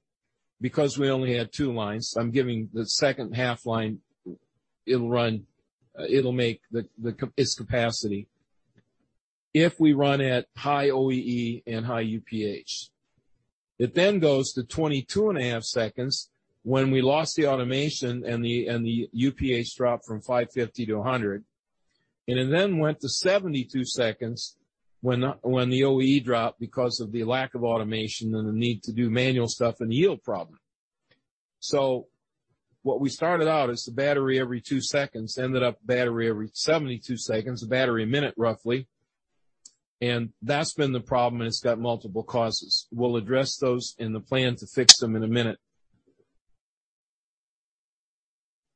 because we only had 2 lines. I'm giving the second half line, it'll run, it'll make its capacity if we run at high OEE and high UPH. It then goes to 22.5 seconds when we lost the automation and the UPH dropped from 550 to 100. It then went to 72 seconds when the OEE dropped because of the lack of automation and the need to do manual stuff and yield problem. What we started out as a battery every 2 seconds, ended up battery every 72 seconds, a battery a minute, roughly. That's been the problem, and it's got multiple causes. We'll address those in the plan to fix them in a minute.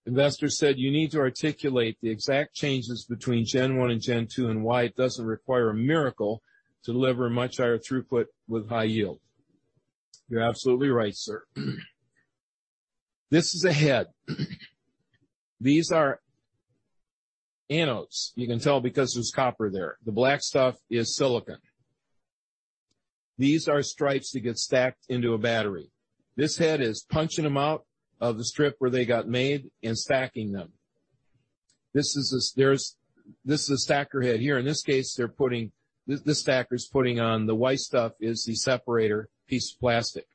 Investor said, "You need to articulate the exact changes between Gen1 and Gen2 and why it doesn't require a miracle to deliver much higher throughput with high yield." You're absolutely right, sir. This is a head. These are anodes. You can tell because there's copper there. The black stuff is silicon. These are stripes that get stacked into a battery. This head is punching them out of the strip where they got made and stacking them. This is a stacker head here. In this case, they're putting. The stacker is putting on the white stuff is the separator piece of plastic.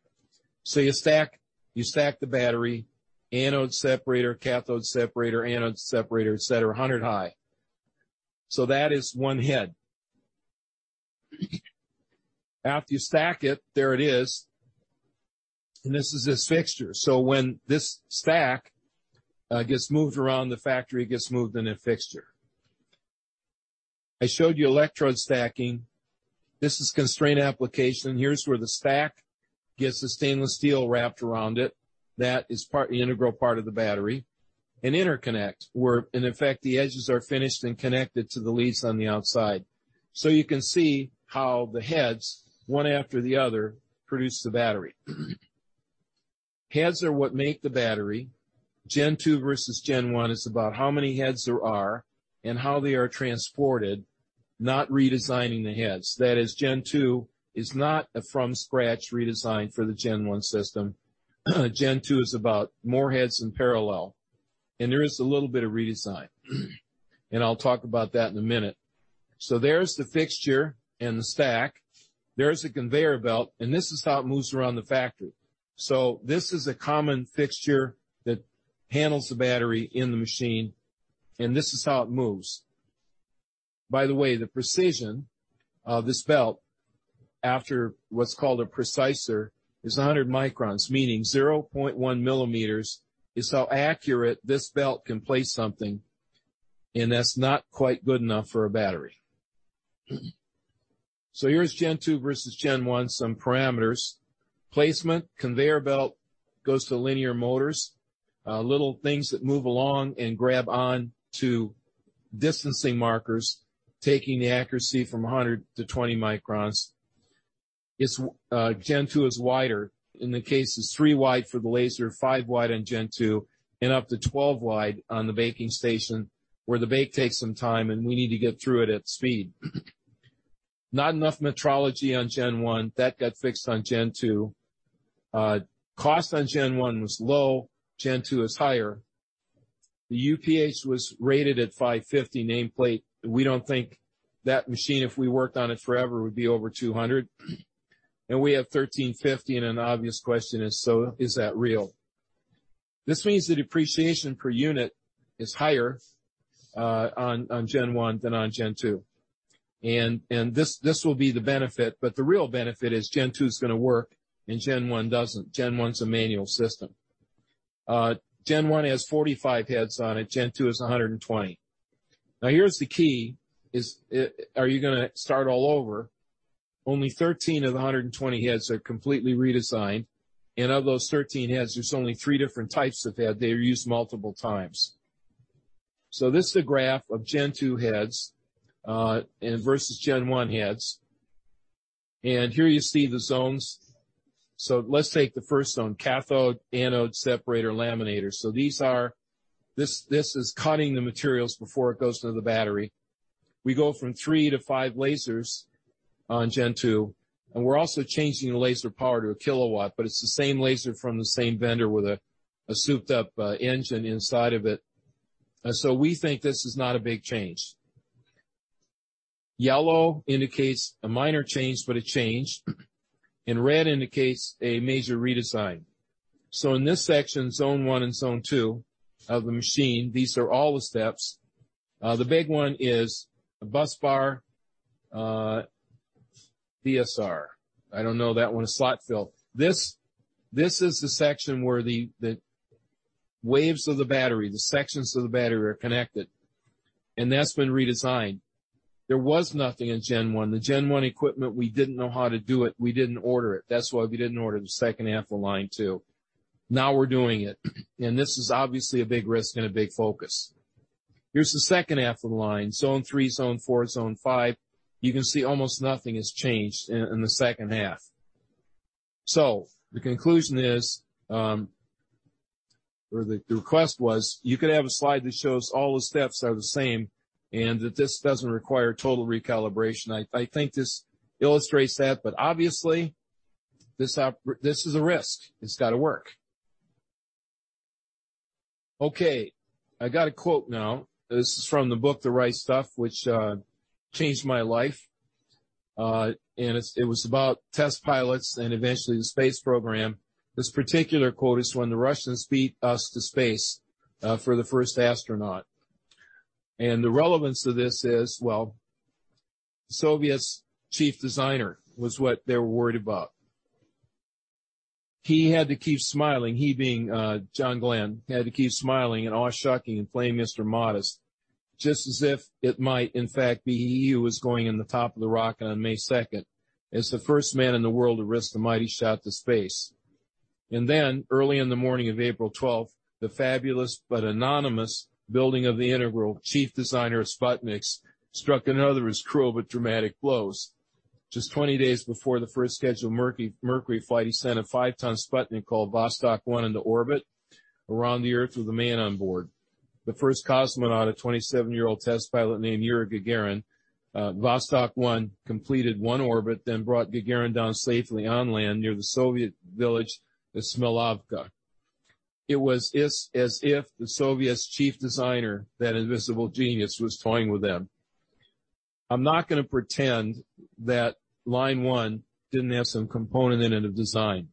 You stack the battery, anode separator, cathode separator, anode separator, et cetera, 100 high. That is one head. After you stack it, there it is, and this is its fixture. When this stack gets moved around the factory, it gets moved in a fixture. I showed you electrode stacking. This is constraint application. Here's where the stack gets the stainless steel wrapped around it. That is part, the integral part of the battery. In interconnect, where in effect, the edges are finished and connected to the leads on the outside. You can see how the heads, one after the other, produce the battery. Heads are what make the battery. Gen2 versus Gen1 is about how many heads there are and how they are transported, not redesigning the heads. That is, Gen2 is not a from scratch redesign for the Gen1 system. Gen2 is about more heads in parallel. There is a little bit of redesign. I'll talk about that in a minute. There's the fixture and the stack. There's the conveyor belt. This is how it moves around the factory. This is a common fixture that handles the battery in the machine, and this is how it moves. By the way, the precision of this belt after what's called a preciser is 100 microns, meaning 0.1 mm is how accurate this belt can place something, and that's not quite good enough for a battery. Here's Gen2 versus Gen1, some parameters. Placement, conveyor belt goes to linear motors, little things that move along and grab on to distancing markers, taking the accuracy from 100-20 microns. Gen2 is wider. In the case it's 3 wide for the laser, 5 wide on Gen2, and up to 12 wide on the baking station, where the bake takes some time, and we need to get through it at speed. Not enough metrology on Gen1. That got fixed on Gen2. Cost on Gen1 was low. Gen2 is higher. The UPH was rated at 550 nameplate. We don't think that machine, if we worked on it forever, would be over 200. We have 1,350 and an obvious question is that real? This means the depreciation per unit is higher on Gen1 than on Gen2. This will be the benefit. The real benefit is Gen2 is gonna work and Gen1 doesn't. Gen1's a manual system. Gen1 has 45 heads on it. Gen2 is 120. Here's the key, is, are you gonna start all over? Only 13 of the 120 heads are completely redesigned. Of those 13 heads, there's only three different types of head. They're used multiple times. This is a graph of Gen2 heads and versus Gen1 heads. Here you see the zones. Let's take the first zone, cathode, anode, separator, laminator. This is cutting the materials before it goes to the battery. We go from three to five lasers on Gen2, and we're also changing the laser power to 1 kilowatt, but it's the same laser from the same vendor with a suped up engine inside of it. We think this is not a big change. Yellow indicates a minor change, but a change. Red indicates a major redesign. In this section, zone 1 and zone 2 of the machine, these are all the steps. The big one is the busbar, VSR. I don't know that one, a slot fill. This is the section where the waves of the battery, the sections of the battery are connected. That's been redesigned. There was nothing in Gen1. The Gen1 equipment, we didn't know how to do it. We didn't order it. That's why we didn't order the second half of Line 2. Now we're doing it. This is obviously a big risk and a big focus. Here's the second half of the line, zone 3, zone 4, zone 5. You can see almost nothing has changed in the second half. The conclusion is, or the request was, you could have a slide that shows all the steps are the same and that this doesn't require total recalibration. I think this illustrates that, but obviously this is a risk. It's gotta work. Okay, I got a quote now. This is from the book The Right Stuff, which changed my life. It was about test pilots and eventually the space program. This particular quote is when the Russians beat us to space for the first astronaut. The relevance of this is, well, Soviet's chief designer was what they were worried about. He had to keep smiling, he being, John Glenn, had to keep smiling and awe-strucking and playing Mr. Modest, just as if it might in fact be he who was going in the top of the rocket on May second, as the first man in the world to risk the mighty shot to space. Then, early in the morning of April 12th, the fabulous but anonymous building of the integral chief designer of Sputnik struck another as cruel but dramatic blows. Just 20 days before the first scheduled Project Mercury flight, he sent a 5-ton Sputnik called Vostok 1 into orbit around the Earth with a man on board. The first cosmonaut, a 27-year-old test pilot named Yuri Gagarin. Vostok 1 completed one orbit, then brought Gagarin down safely on land near the Soviet village of Smelovka. It was as if the Soviet's chief designer, that invisible genius, was toying with them. I'm not gonna pretend that Line 1 didn't have some component in it of design.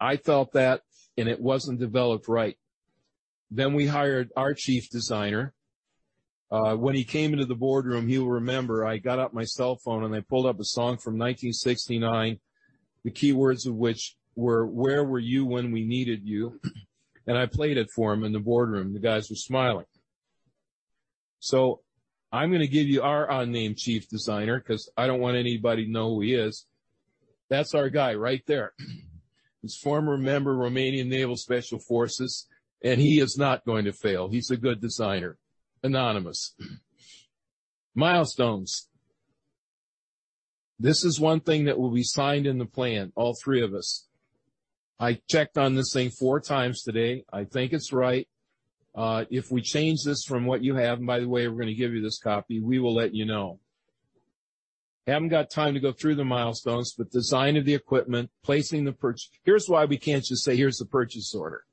I felt that, and it wasn't developed right. We hired our chief designer. When he came into the boardroom, he'll remember, I got out my cell phone and I pulled up a song from 1969, the keywords of which were, "Where were you when we needed you?" I played it for him in the boardroom. The guys were smiling. I'm gonna give you our unnamed chief designer because I don't want anybody to know who he is. That's our guy right there. He's a former member of Romanian Naval Special Forces, and he is not going to fail. He's a good designer, anonymous. Milestones. This is 1 thing that will be signed in the plan, all 3 of us. I checked on this thing 4x today. I think it's right. If we change this from what you have, by the way, we're gonna give you this copy, we will let you know. Haven't got time to go through the milestones, design of the equipment. Here's why we can't just say, "Here's the purchase order."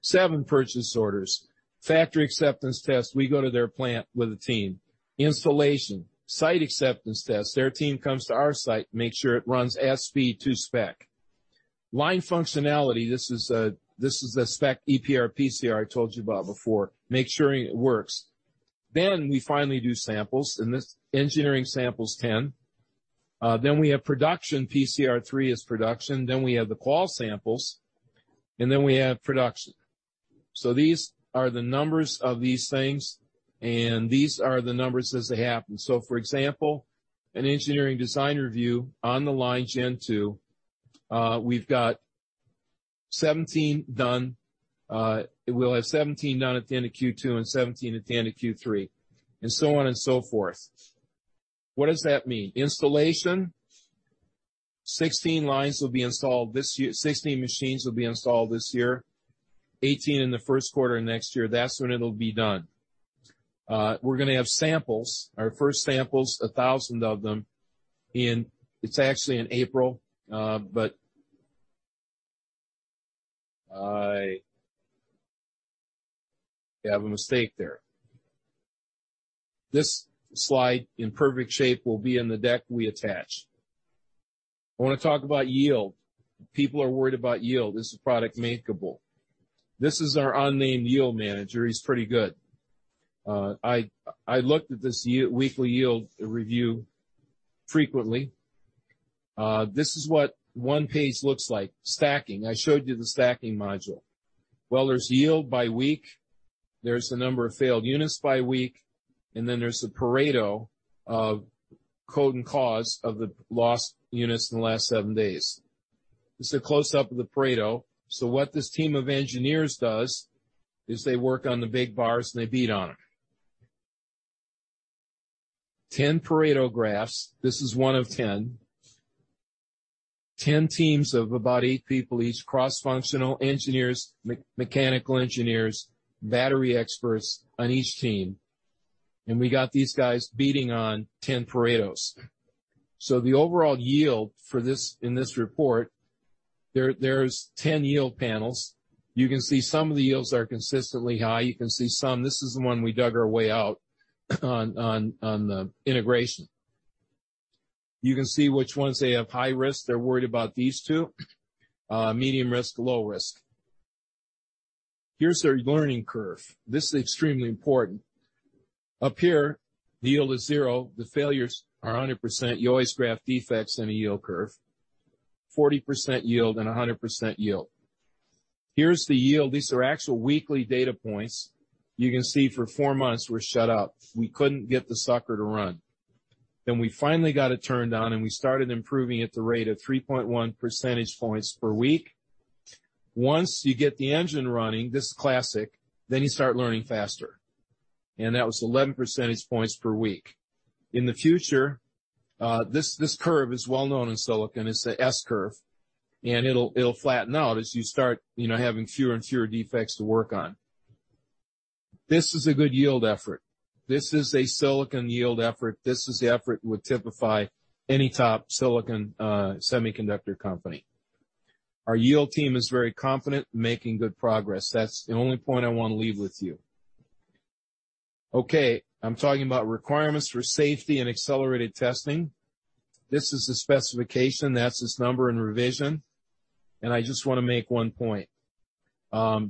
7 purchase orders. Factory acceptance test, we go to their plant with a team. Installation. Site acceptance test, their team comes to our site, makes sure it runs at speed to spec. Line functionality, this is, this is the spec EPR-PCR I told you about before. Make sure it works. We finally do samples, and this engineering samples 10. We have production. PCR 3 is production. We have the qual samples, and then we have production. These are the numbers of these things, and these are the numbers as they happen. For example, an engineering design review on the line Gen2, we've got 17 done. We'll have 17 done at the end of Q2 and 17 at the end of Q3, and so on and so forth. What does that mean? Installation, 16 lines will be installed this year. 16 machines will be installed this year, 18 in the first quarter of next year. That's when it'll be done. We're gonna have samples. Our first samples, 1,000 of them, in it's actually in April, but I have a mistake there. This slide in perfect shape will be in the deck we attach. I wanna talk about yield. People are worried about yield. Is the product makeable? This is our unnamed yield manager. He's pretty good. I looked at this weekly yield review frequently. This is what 1 page looks like. Stacking. I showed you the stacking module. Well, there's yield by week, there's the number of failed units by week, and then there's the Pareto of code and cause of the lost units in the last 7 days. This is a close-up of the Pareto. What this team of engineers does is they work on the big bars, and they beat on it. 10 Pareto graphs. This is 1 of 10. 10 teams of about 8 people each, cross-functional engineers, mechanical engineers, battery experts on each team, and we got these guys beating on 10 Paretos. The overall yield for this in this report, there's 10 yield panels. You can see some of the yields are consistently high. You can see some. This is the one we dug our way out on the integration. You can see which ones they have high risk. They're worried about these 2. Medium risk, low risk. Here's their learning curve. This is extremely important. Up here, the yield is 0. The failures are 100%. You always graph defects in a yield curve. 40% yield and 100% yield. Here's the yield. These are actual weekly data points. You can see for 4 months we're shut out. We couldn't get the sucker to run. We finally got it turned on, and we started improving at the rate of 3.1 percentage points per week. Once you get the engine running, this classic, then you start learning faster. That was 11 percentage points per week. In the future, this curve is well known in silicon. It's the S curve, it'll flatten out as you start, you know, having fewer and fewer defects to work on. This is a good yield effort. This is a silicon yield effort. This is the effort that would typify any top silicon semiconductor company. Our yield team is very confident, making good progress. That's the only point I wanna leave with you. Okay. I'm talking about requirements for safety and accelerated testing. This is the specification. That's its number and revision. I just wanna make one point. Our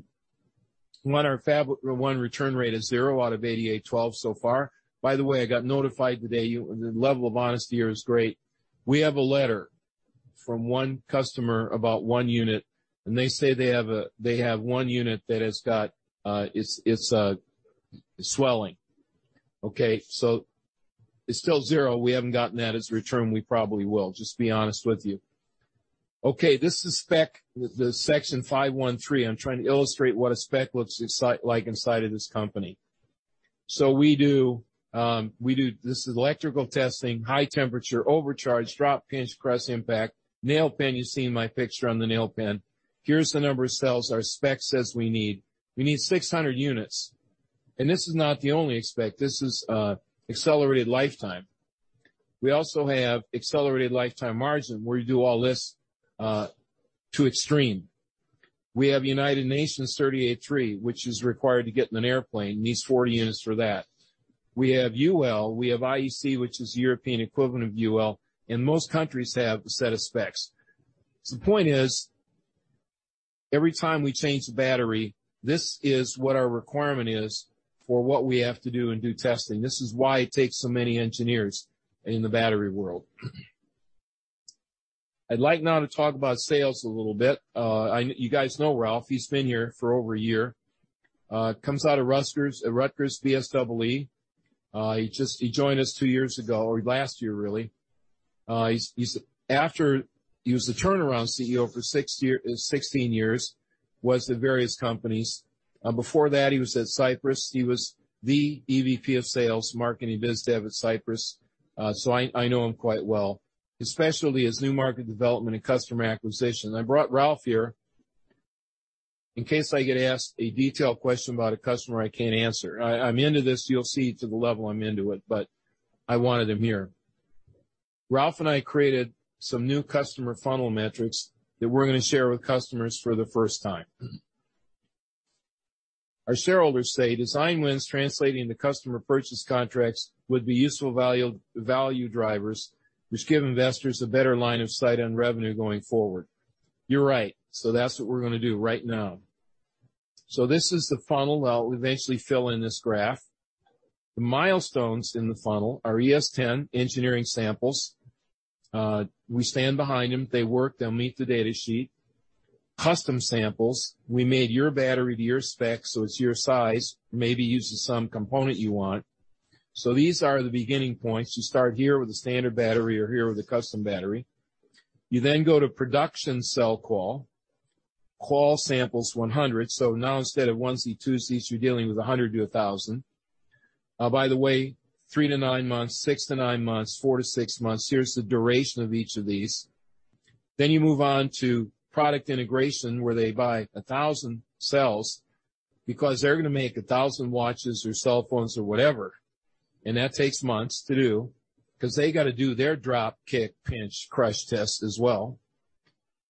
Fab-1 return rate is 0 out of 8,812 so far. By the way, I got notified today. The level of honesty here is great. We have a letter from one customer about one unit, and they say they have one unit that has got, it's swelling. Okay? It's still 0. We haven't gotten that as return. We probably will. Just be honest with you. This is spec, the section 513. I'm trying to illustrate what a spec looks like inside of this company. We do electrical testing, high temperature, overcharge, drop, pinch, press, impact, nail pen. You've seen my picture on the nail pen. Here's the number of cells our spec says we need. We need 600 units. This is not the only spec. This is accelerated lifetime. We also have accelerated lifetime margin, where you do all this to extreme. We have UN 38.3, which is required to get in an airplane. Needs 40 units for that. We have UL, we have IEC, which is European equivalent of UL, and most countries have a set of specs. The point is, every time we change the battery, this is what our requirement is for what we have to do and do testing. I'd like now to talk about sales a little bit. You guys know Ralph. He's been here for over a year. Comes out of Rutgers VSWE. He joined us 2 years ago, or last year, really. He was the turnaround CEO for 16 years, was the various companies. Before that, he was at Cypress. He was the EVP of sales, marketing, biz dev at Cypress. I know him quite well, especially as new market development and customer acquisition. I brought Ralph here in case I get asked a detailed question about a customer I can't answer. I'm into this, you'll see, to the level I'm into it, but I wanted him here. Ralph and I created some new customer funnel metrics that we're gonna share with customers for the first time. Our shareholders say design wins translating to customer purchase contracts would be useful value drivers, which give investors a better line of sight on revenue going forward. You're right. That's what we're gonna do right now. This is the funnel. Well, we eventually fill in this graph. The milestones in the funnel are ES10 engineering samples. We stand behind them. They work. They'll meet the data sheet. Custom samples. We made your battery to your specs, so it's your size, maybe uses some component you want. These are the beginning points. You start here with a standard battery or here with a custom battery. You go to production cell qual. Qual samples 100. Now instead of one Z, two Zs, you're dealing with 100 to 1,000. By the way, 3-9 months, 6-9 months, 4-6 months. Here's the duration of each of these. You move on to product integration, where they buy 1,000 cells because they're gonna make 1,000 watches or cell phones or whatever. That takes months to do 'cause they gotta do their drop, kick, pinch, crush test as well.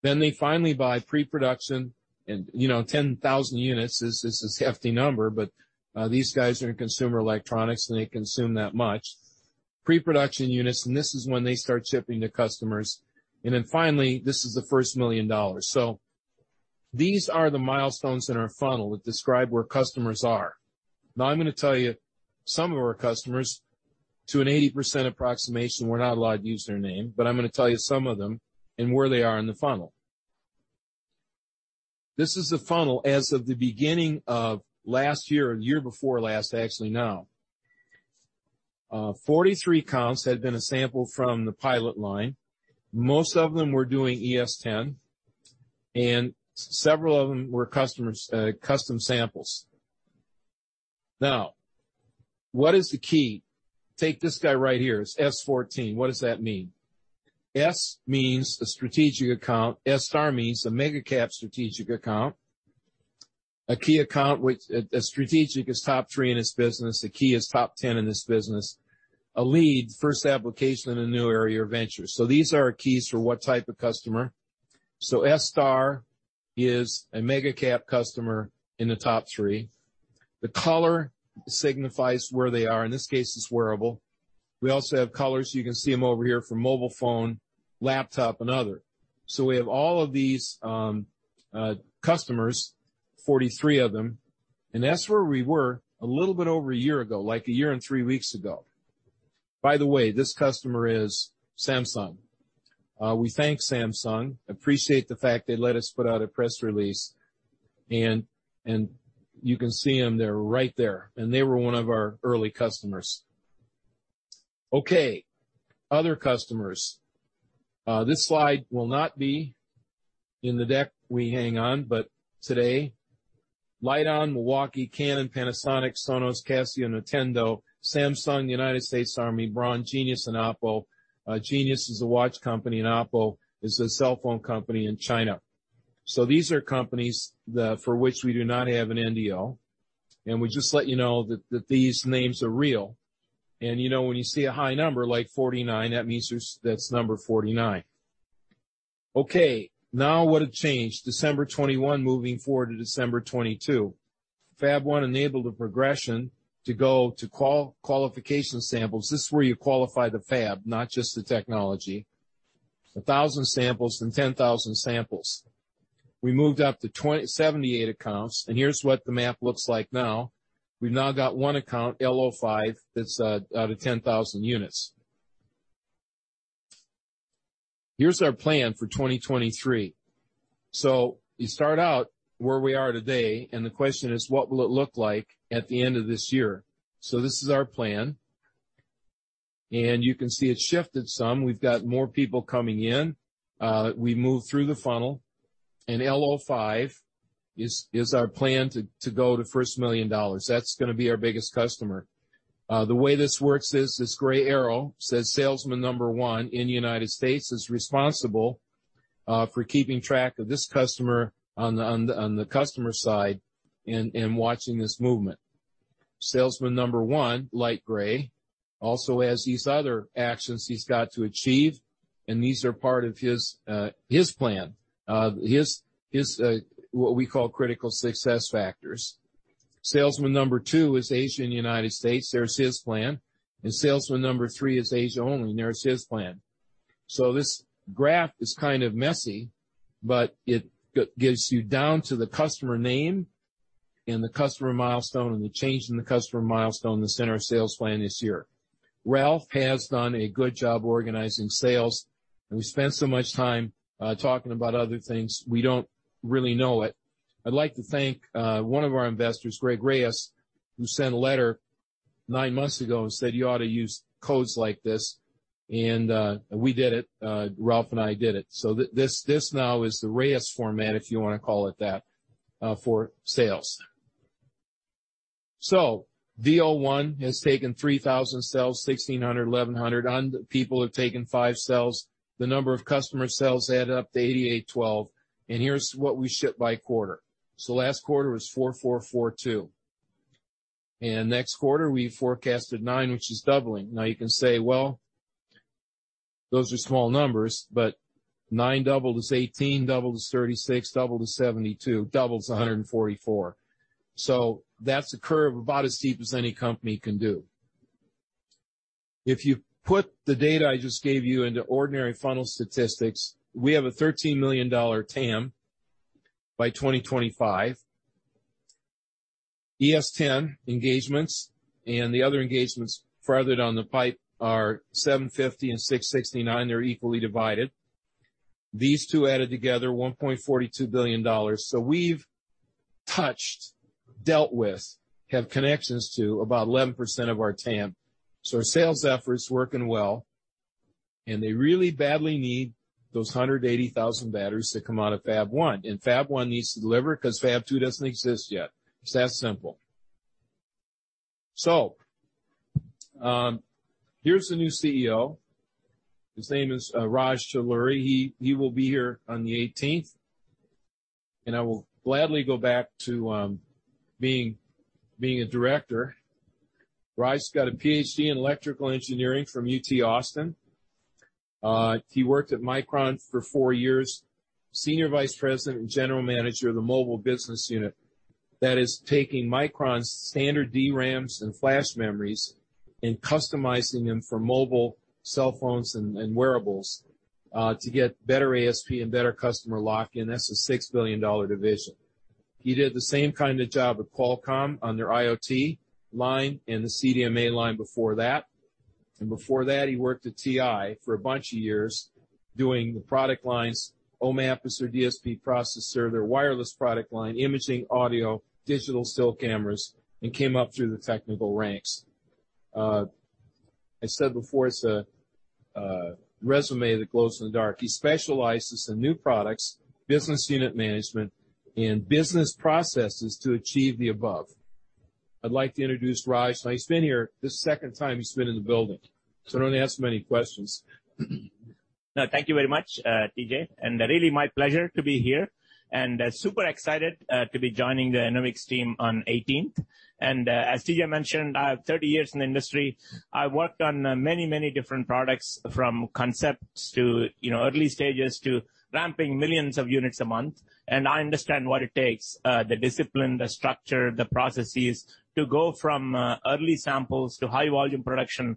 They finally buy pre-production and, you know, 10,000 units. This is a hefty number, but these guys are in consumer electronics, and they consume that much. Pre-production units, this is when they start shipping to customers. Finally, this is the first $1 million. These are the milestones in our funnel that describe where customers are. I'm gonna tell you some of our customers to an 80% approximation. We're not allowed to use their name, but I'm gonna tell you some of them and where they are in the funnel. This is the funnel as of the beginning of last year or the year before last actually, now. Forty-three accounts had been a sample from the pilot line. Most of them were doing ES10, and several of them were customers, custom samples. What is the key? Take this guy right here, S14. What does that mean? S means a strategic account. S star means a mega cap strategic account. A key account, which a strategic is top 3 in its business. A key is top 10 in this business. A lead, first application in a new area or venture. These are our keys for what type of customer. S star is a mega cap customer in the top three. The color signifies where they are. In this case, it's wearable. We also have colors. You can see them over here for mobile phone, laptop, and other. We have all of these customers, 43 of them, and that's where we were a little bit over a year ago, like a year and 3 weeks ago. By the way, this customer is Samsung. We thank Samsung. Appreciate the fact they let us put out a press release. You can see them. They're right there. They were one of our early customers. Okay, other customers. This slide will not be in the deck we hang on, but today, LiteOn, Milwaukee, Canon, Panasonic, Sonos, Casio, Nintendo, Samsung, United States Army, Braun, Genius, and Oppo. Genius is a watch company, and Oppo is a cell phone company in China. These are companies that for which we do not have an NDO, and we just let you know that these names are real. When you see a high number, like 49, that means that's number 49. Okay, now what have changed? December 21, moving forward to December 22. Fab-1 enabled a progression to go to qualification samples. This is where you qualify the fab, not just the technology. 1,000 samples, then 10,000 samples. We moved up to 78 accounts, and here's what the map looks like now. We've now got one account, LO 5, that's out of 10,000 units. Here's our plan for 2023. You start out where we are today, and the question is, what will it look like at the end of this year? This is our plan. You can see it's shifted some. We've got more people coming in. We move through the funnel, and LO 5 is our plan to go to $1 million. That's gonna be our biggest customer. The way this works is this gray arrow says salesman number 1 in the United States is responsible for keeping track of this customer on the customer side and watching this movement. Salesman number 1, light gray, also has these other actions he's got to achieve. These are part of his plan, his what we call critical success factors. Salesman number 2 is Asia and United States. There's his plan. Salesman number 3 is Asia only, and there's his plan. This graph is kind of messy, but it gives you down to the customer name and the customer milestone and the change in the customer milestone, the center of sales plan this year. Ralph has done a good job organizing sales. We spend so much time talking about other things, we don't really know it. I'd like to thank one of our investors, Gregory Reyes, who sent a letter 9 months ago and said, "You ought to use codes like this." We did it. Ralph and I did it. This, this now is the Reyes format, if you wanna call it that, for sales. VO one has taken 3,000 cells, 1,600, 1,100. People have taken five cells. The number of customer cells add up to 8,812. Here's what we ship by quarter. Last quarter was 4, 4, 2. Next quarter, we forecasted 9, which is doubling. Now you can say, well, those are small numbers, but 9 doubles to 18, doubles to 36, doubles to 72, doubles to 144. That's a curve about as steep as any company can do. If you put the data I just gave you into ordinary funnel statistics, we have a $13 million TAM by 2025. ES10 engagements, the other engagements further down the pipe are 750 and 669. They're equally divided. These two added together $1.42 billion. We've touched, dealt with, have connections to about 11% of our TAM. Our sales effort's working well, and they really badly need those 180,000 batteries that come out of Fab-1. Fab-1 needs to deliver 'cause Fab-2 doesn't exist yet. It's that simple. Here's the new CEO. His name is Raj Talluri. He will be here on the 18th, and I will gladly go back to being a director. Raj's got a PhD in electrical engineering from UT Austin. He worked at Micron for four years, Senior Vice President and General Manager of the mobile business unit that is taking Micron's standard DRAMs and flash memories and customizing them for mobile cell phones and wearables, to get better ASP and better customer lock-in. That's a $6 billion division. He did the same kind of job at Qualcomm on their IoT line and the CDMA line before that. Before that, he worked at TI for a bunch of years doing the product lines, OMAP, their DSP processor, their wireless product line, imaging, audio, digital still cameras, and came up through the technical ranks. I said before, it's a resume that glows in the dark. He specializes in new products, business unit management, and business processes to achieve the above. I'd like to introduce Raj. Now, he's been here. This is the second time he's been in the building. Don't ask him any questions. No, thank you very much, T.J. Really my pleasure to be here. Super excited to be joining the Enovix team on 18th. As T.J. mentioned, I have 30 years in the industry. I worked on many, many different products from concepts to, you know, early stages to ramping millions of units a month. I understand what it takes, the discipline, the structure, the processes to go from early samples to high volume production,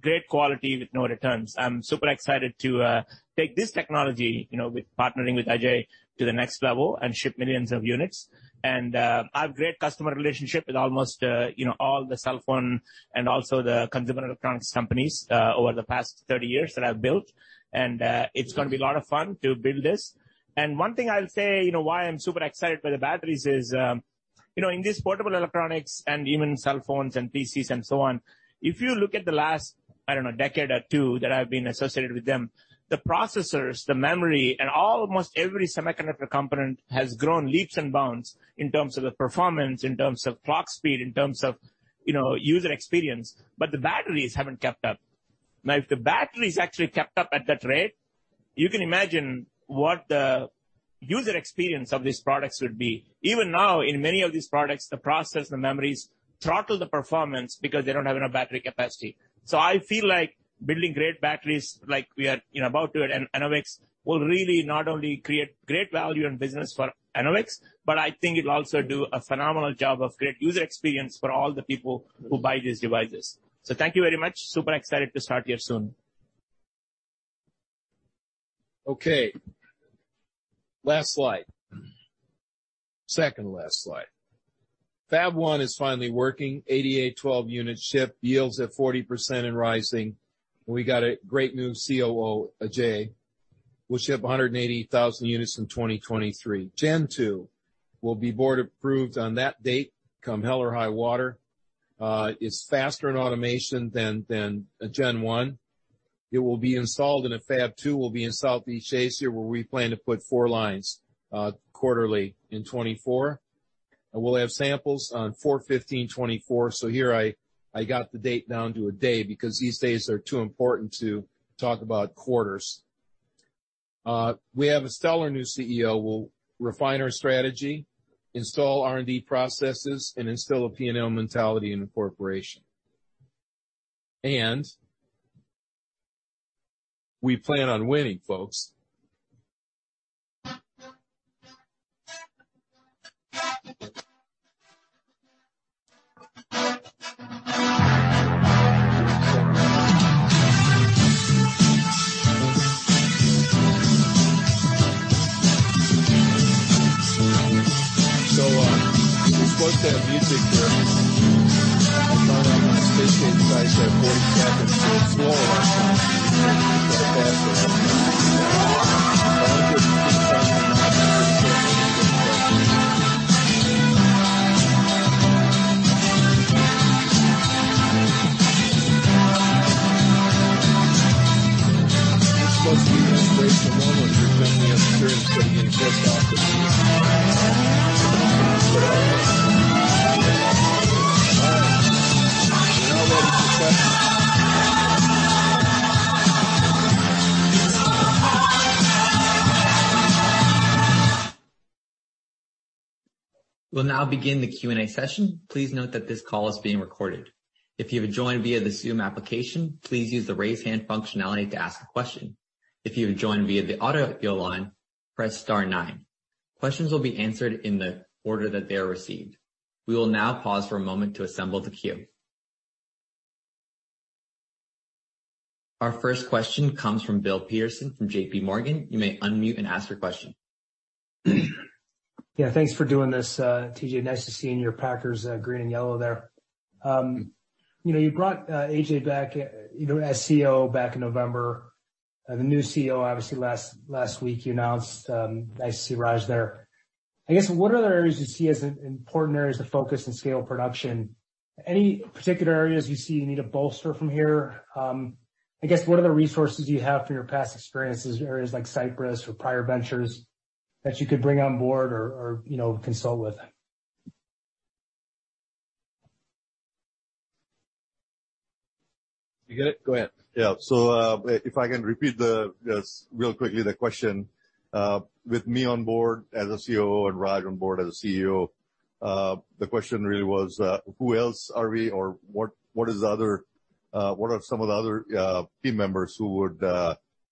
great quality with no returns. I'm super excited to take this technology, you know, with partnering with Ajay to the next level and ship millions of units. I have great customer relationship with almost, you know, all the cell phone and also the consumer electronics companies over the past 30 years that I've built. It's gonna be a lot of fun to build this. One thing I'll say, you know, why I'm super excited by the batteries is, you know, in this portable electronics and even cell phones and PCs and so on, if you look at the last, I don't know, decade or two that I've been associated with them, the processors, the memory, and almost every semiconductor component has grown leaps and bounds in terms of the performance, in terms of clock speed, in terms of, you know, user experience. The batteries haven't kept up. If the batteries actually kept up at that rate, you can imagine what the user experience of these products would be. Even now, in many of these products, the memories throttle the performance because they don't have enough battery capacity. I feel like building great batteries like we are, you know, about to at Enovix will really not only create great value and business for Enovix, but I think it'll also do a phenomenal job of great user experience for all the people who buy these devices. Thank you very much. Super excited to start here soon. Okay. Last slide. Second last slide. Fab-1 is finally working. 8,812 units shipped. Yields at 40% and rising. We got a great new COO, Ajay. We'll ship 180,000 units in 2023. Gen2 will be board approved on that date, come hell or high water. It's faster in automation than Gen1. It will be installed in a Fab-2, will be in Southeast Asia, where we plan to put four lines, quarterly in 2024. We'll have samples on 4/15/2024. Here I got the date down to a day because these days are too important to talk about quarters. We have a stellar new CEO, will refine our strategy, install R&D processes, and instill a P&L mentality in the corporation. We plan on winning, folks. We played that music there. I found out my Escape size had 40 seconds to swallow that time. It's supposed to be an inspirational moment, remembering the other experience, but it didn't take off. Are we all ready for questions? We'll now begin the Q&A session. Please note that this call is being recorded. If you have joined via the Zoom application, please use the raise hand functionality to ask a question. If you have joined via the audio line, press star 9. Questions will be answered in the order that they are received. We will now pause for a moment to assemble the queue. Our first question comes from Bill Peterson from JPMorgan. You may unmute and ask your question. Yeah, thanks for doing this, T.J. Nice to see you in your Packers, green and yellow there. You know, you brought Ajay back, you know, as CEO back in November. The new CEO, obviously last week you announced, nice to see Raj there. I guess what other areas do you see as important areas to focus and scale production? Any particular areas you see you need to bolster from here? I guess what other resources do you have from your past experiences in areas like Cypress or prior ventures that you could bring on board or, you know, consult with? You good? Go ahead. Yeah. If I can repeat the, just real quickly, the question, with me on board as a COO and Raj on board as a CEO, the question really was, who else are we or what is the other, what are some of the other team members who would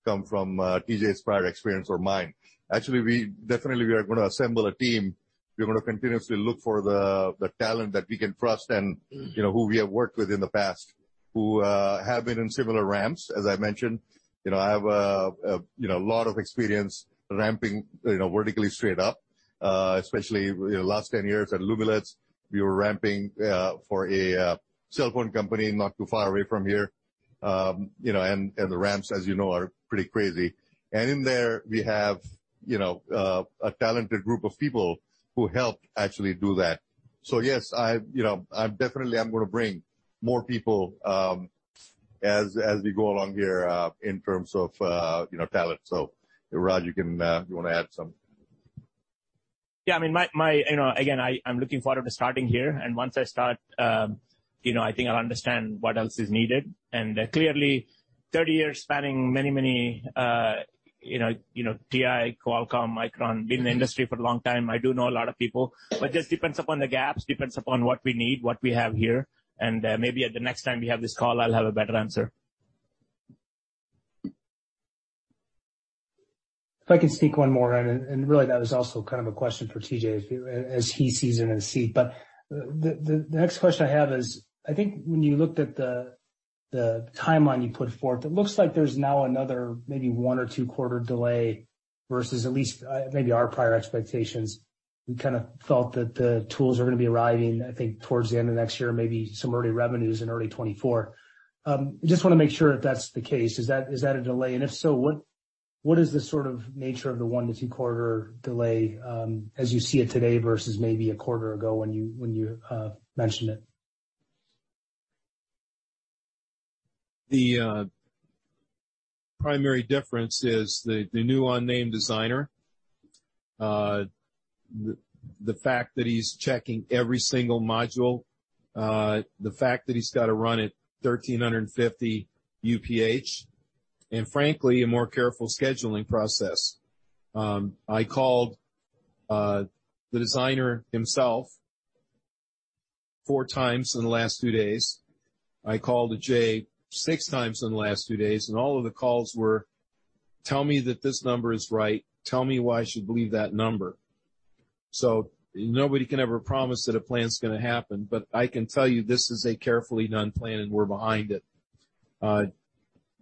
come from T.J.'s prior experience or mine? Actually, we definitely we are gonna assemble a team. We're gonna continuously look for the talent that we can trust and, you know, who we have worked with in the past who have been in similar ramps. As I mentioned, you know, I have, you know, a lot of experience ramping, you know, vertically straight up, especially last 10 years at Lumileds. We were ramping for a cell phone company not too far away from here. You know, and the ramps, as you know, are pretty crazy. In there we have, you know, a talented group of people who helped actually do that. Yes, I'm definitely I'm gonna bring more people, as we go along here, in terms of, you know, talent. Raj, you can, you wanna add some? I mean, you know, again, I'm looking forward to starting here, and once I start, you know, I think I'll understand what else is needed. Clearly 30 years spanning many, many, you know, TI, Qualcomm, Micron, been in the industry for a long time, I do know a lot of people, but just depends upon the gaps, depends upon what we need, what we have here. Maybe at the next time we have this call, I'll have a better answer. If I can sneak one more in, and really that was also kind of a question for T.J. as he, as he sees it in his seat. The next question I have is, I think when you looked at the timeline you put forth, it looks like there's now another maybe one or two quarter delay versus at least maybe our prior expectations. We kind of thought that the tools are gonna be arriving, I think, towards the end of next year, maybe some early revenues in early 2024. Just wanna make sure if that's the case. Is that a delay? If so, what is the sort of nature of the one to two quarter delay as you see it today versus maybe a quarter ago when you mentioned it? The primary difference is the new unnamed designer, the fact that he's checking every single module, the fact that he's got to run at 1,350 UPH, and frankly, a more careful scheduling process. I called the designer himself 4x in the last 2 days. I called Ajay 6x in the last 2 days. All of the calls were, "Tell me that this number is right. Tell me why I should believe that number." Nobody can ever promise that a plan is gonna happen, but I can tell you this is a carefully done plan, and we're behind it.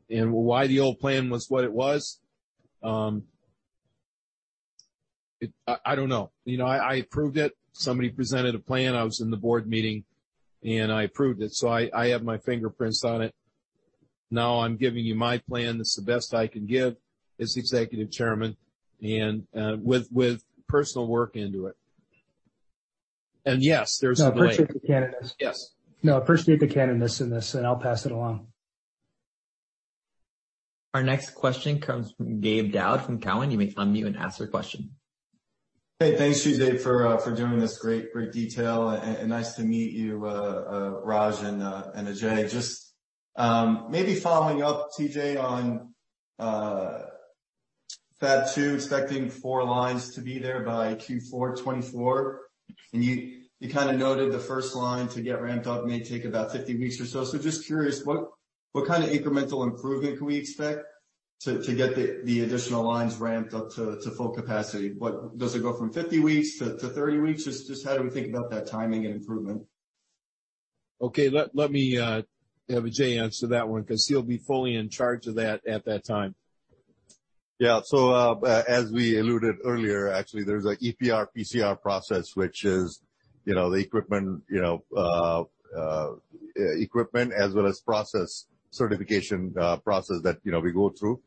Why the old plan was what it was, I don't know. You know, I approved it. Somebody presented a plan. I was in the board meeting. I approved it. I have my fingerprints on it. I'm giving you my plan. That's the best I can give as Executive Chairman and with personal work into it. Yes, there's a delay. No, appreciate the candidness. Yes. No, appreciate the candidness in this, and I'll pass it along. Our next question comes from Gabe Daoud from Cowen. You may unmute and ask your question. Hey, thanks, T.J., for doing this great detail. Nice to meet you, Raj and Ajay. Maybe following up T.J. on Fab-2, expecting 4 lines to be there by Q4 2024. You kinda noted the first line to get ramped up may take about 50 weeks or so. Just curious, what kind of incremental improvement can we expect to get the additional lines ramped up to full capacity? Does it go from 50 weeks to 30 weeks? Just how do we think about that timing and improvement? Okay. Let me have Ajay answer that one because he'll be fully in charge of that at that time. Yeah. As we alluded earlier, actually, there's an EPR-PCR process, which is, you know, the equipment, you know, as well as process certification process that, you know, we go through,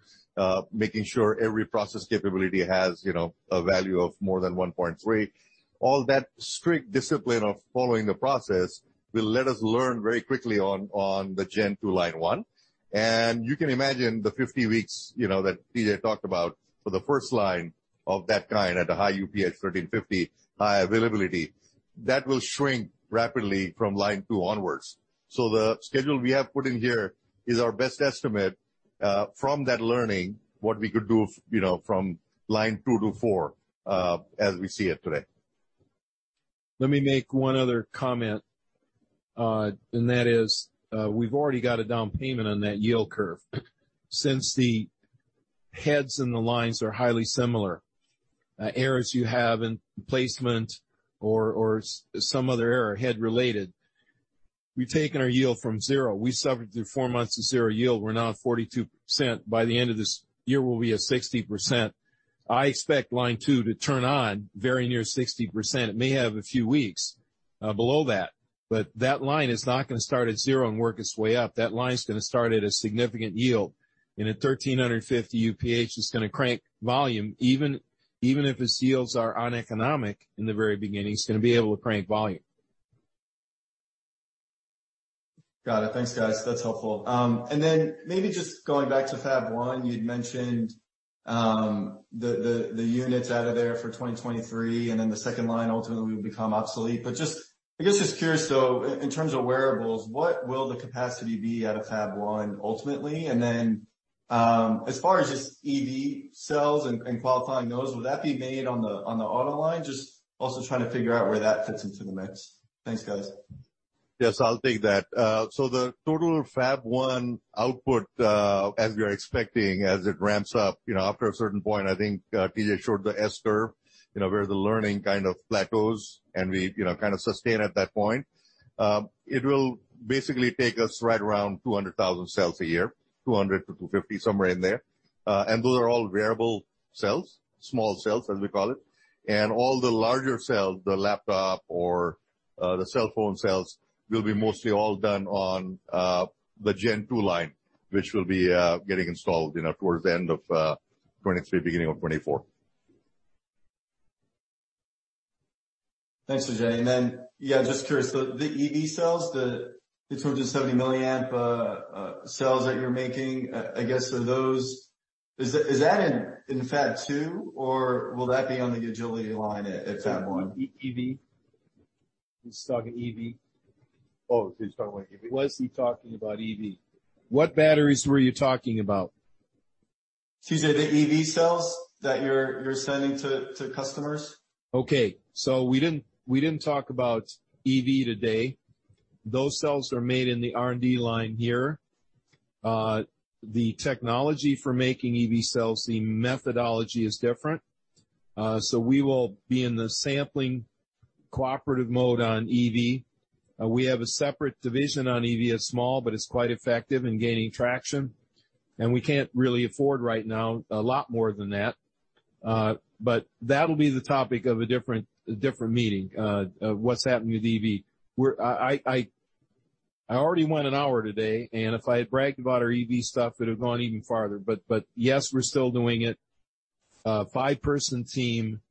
making sure every process capability has, you know, a value of more than 1.3. All that strict discipline of following the process will let us learn very quickly on the Gen2 Line 1. You can imagine the 50 weeks, you know, that T.J. talked about for the first line of that kind at a high UPH, 1,350, high availability, that will shrink rapidly from Line 2 onwards. The schedule we have put in here is our best estimate from that learning, what we could do, you know, from Line 2 to 4, as we see it today. Let me make one other comment, and that is, we've already got a down payment on that yield curve. Since the heads and the lines are highly similar, errors you have in placement or some other error head related, we've taken our yield from 0. We suffered through 4 months of 0 yield. We're now at 42%. By the end of this year, we'll be at 60%. I expect Line 2 to turn on very near 60%. It may have a few weeks below that, but that line is not gonna start at 0 and work its way up. That line is gonna start at a significant yield. In a 1,350 UPH, it's gonna crank volume. Even if its yields are uneconomic in the very beginning, it's gonna be able to crank volume. Got it. Thanks, guys. That's helpful. Maybe just going back to Fab-1, you'd mentioned the units out of there for 2023, the second line ultimately will become obsolete. Just, I guess, just curious though, in terms of wearables, what will the capacity be out of Fab-1 ultimately? As far as just EV cells and qualifying those, will that be made on the auto line? Just also trying to figure out where that fits into the mix. Thanks, guys. Yes, I'll take that. The total Fab-1 output, as we are expecting as it ramps up, you know, after a certain point, I think T.J. showed the S-curve, you know, where the learning kind of plateaus and we, you know, kind of sustain at that point. It will basically take us right around 200,000 cells a year, 200-250, somewhere in there. Those are all wearable cells, small cells, as we call it. All the larger cells, the laptop or, the cell phone cells, will be mostly all done on the Gen2 line, which will be getting installed, you know, towards the end of 2023, beginning of 2024. Thanks, Ajay. Yeah, just curious, the EV cells, the 270 milliamp cells that you're making, I guess for those, is that in Fab-2 or will that be on the Agility Line at Fab-1? EV? He's talking EV. Oh, he's talking about EV. Was he talking about EV? What batteries were you talking about? Excuse me, the EV cells that you're sending to customers. Okay. We didn't talk about EV today. Those cells are made in the R&D line here. The technology for making EV cells, the methodology is different. We will be in the sampling cooperative mode on EV. We have a separate division on EV. It's small, but it's quite effective in gaining traction. We can't really afford right now a lot more than that. That'll be the topic of a different meeting of what's happening with EV. I already went an hour today, and if I had bragged about our EV stuff, it would have gone even farther. Yes, we're still doing it. A five-person team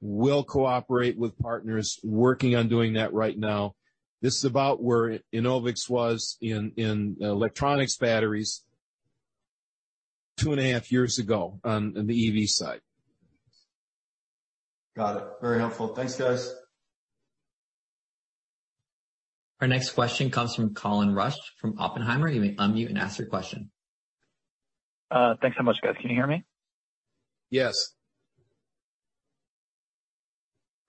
will cooperate with partners working on doing that right now. This is about where Enovix was in electronics batteries two and a half years ago on the EV side. Got it. Very helpful. Thanks, guys. Our next question comes from Colin Rusch from Oppenheimer. You may unmute and ask your question. Thanks so much, guys. Can you hear me? Yes.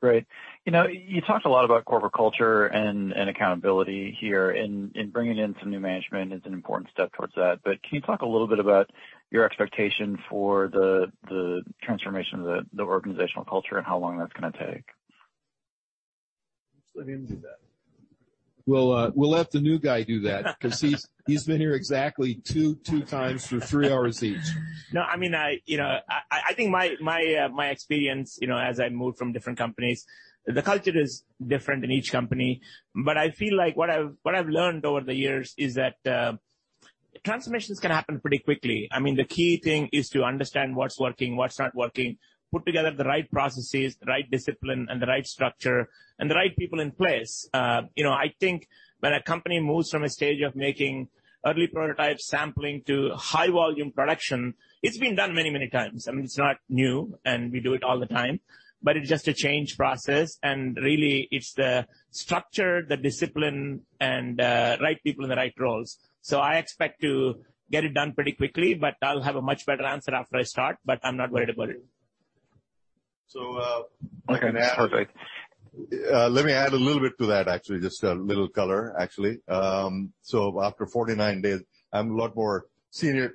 Great. You know, you talked a lot about corporate culture and accountability here, and bringing in some new management is an important step towards that. Can you talk a little bit about your expectation for the transformation of the organizational culture and how long that's gonna take? Just let him do that. We'll, we'll let the new guy do that 'cause he's been here exactly 2x for 3 hours each. No, I mean, I, you know, I think my, my experience, you know, as I moved from different companies, the culture is different in each company. I feel like what I've learned over the years is that transformations can happen pretty quickly. I mean, the key thing is to understand what's working, what's not working, put together the right processes, the right discipline and the right structure and the right people in place. You know, I think when a company moves from a stage of making early prototype sampling to high volume production, it's been done many times. I mean, it's not new, and we do it all the time, but it's just a change process. Really, it's the structure, the discipline and right people in the right roles. I expect to get it done pretty quickly, but I'll have a much better answer after I start, but I'm not worried about it. So, uh- Okay. Perfect. Let me add a little bit to that, actually. Just a little color, actually. After 49 days, I'm a lot more senior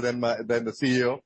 than my, than the CEO.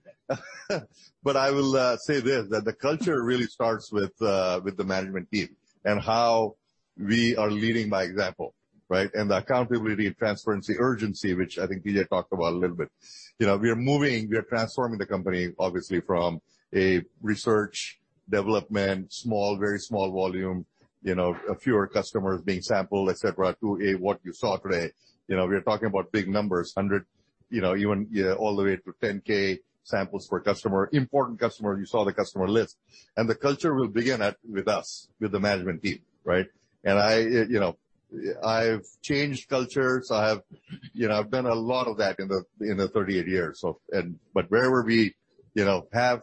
I will say this, that the culture really starts with the management team and how we are leading by example, right? The accountability, transparency, urgency, which I think T.J. talked about a little bit. You know, we are moving, we are transforming the company, obviously, from a research development, small, very small volume, you know, a fewer customers being sampled, et cetera, to a what you saw today. You know, we are talking about big numbers, 100, you know, even all the way to 10K samples per customer, important customer. You saw the customer list. The culture will begin with us, with the management team, right? I, you know, I've changed cultures. I have, you know, I've done a lot of that in the, in the 38 years of wherever we, you know, have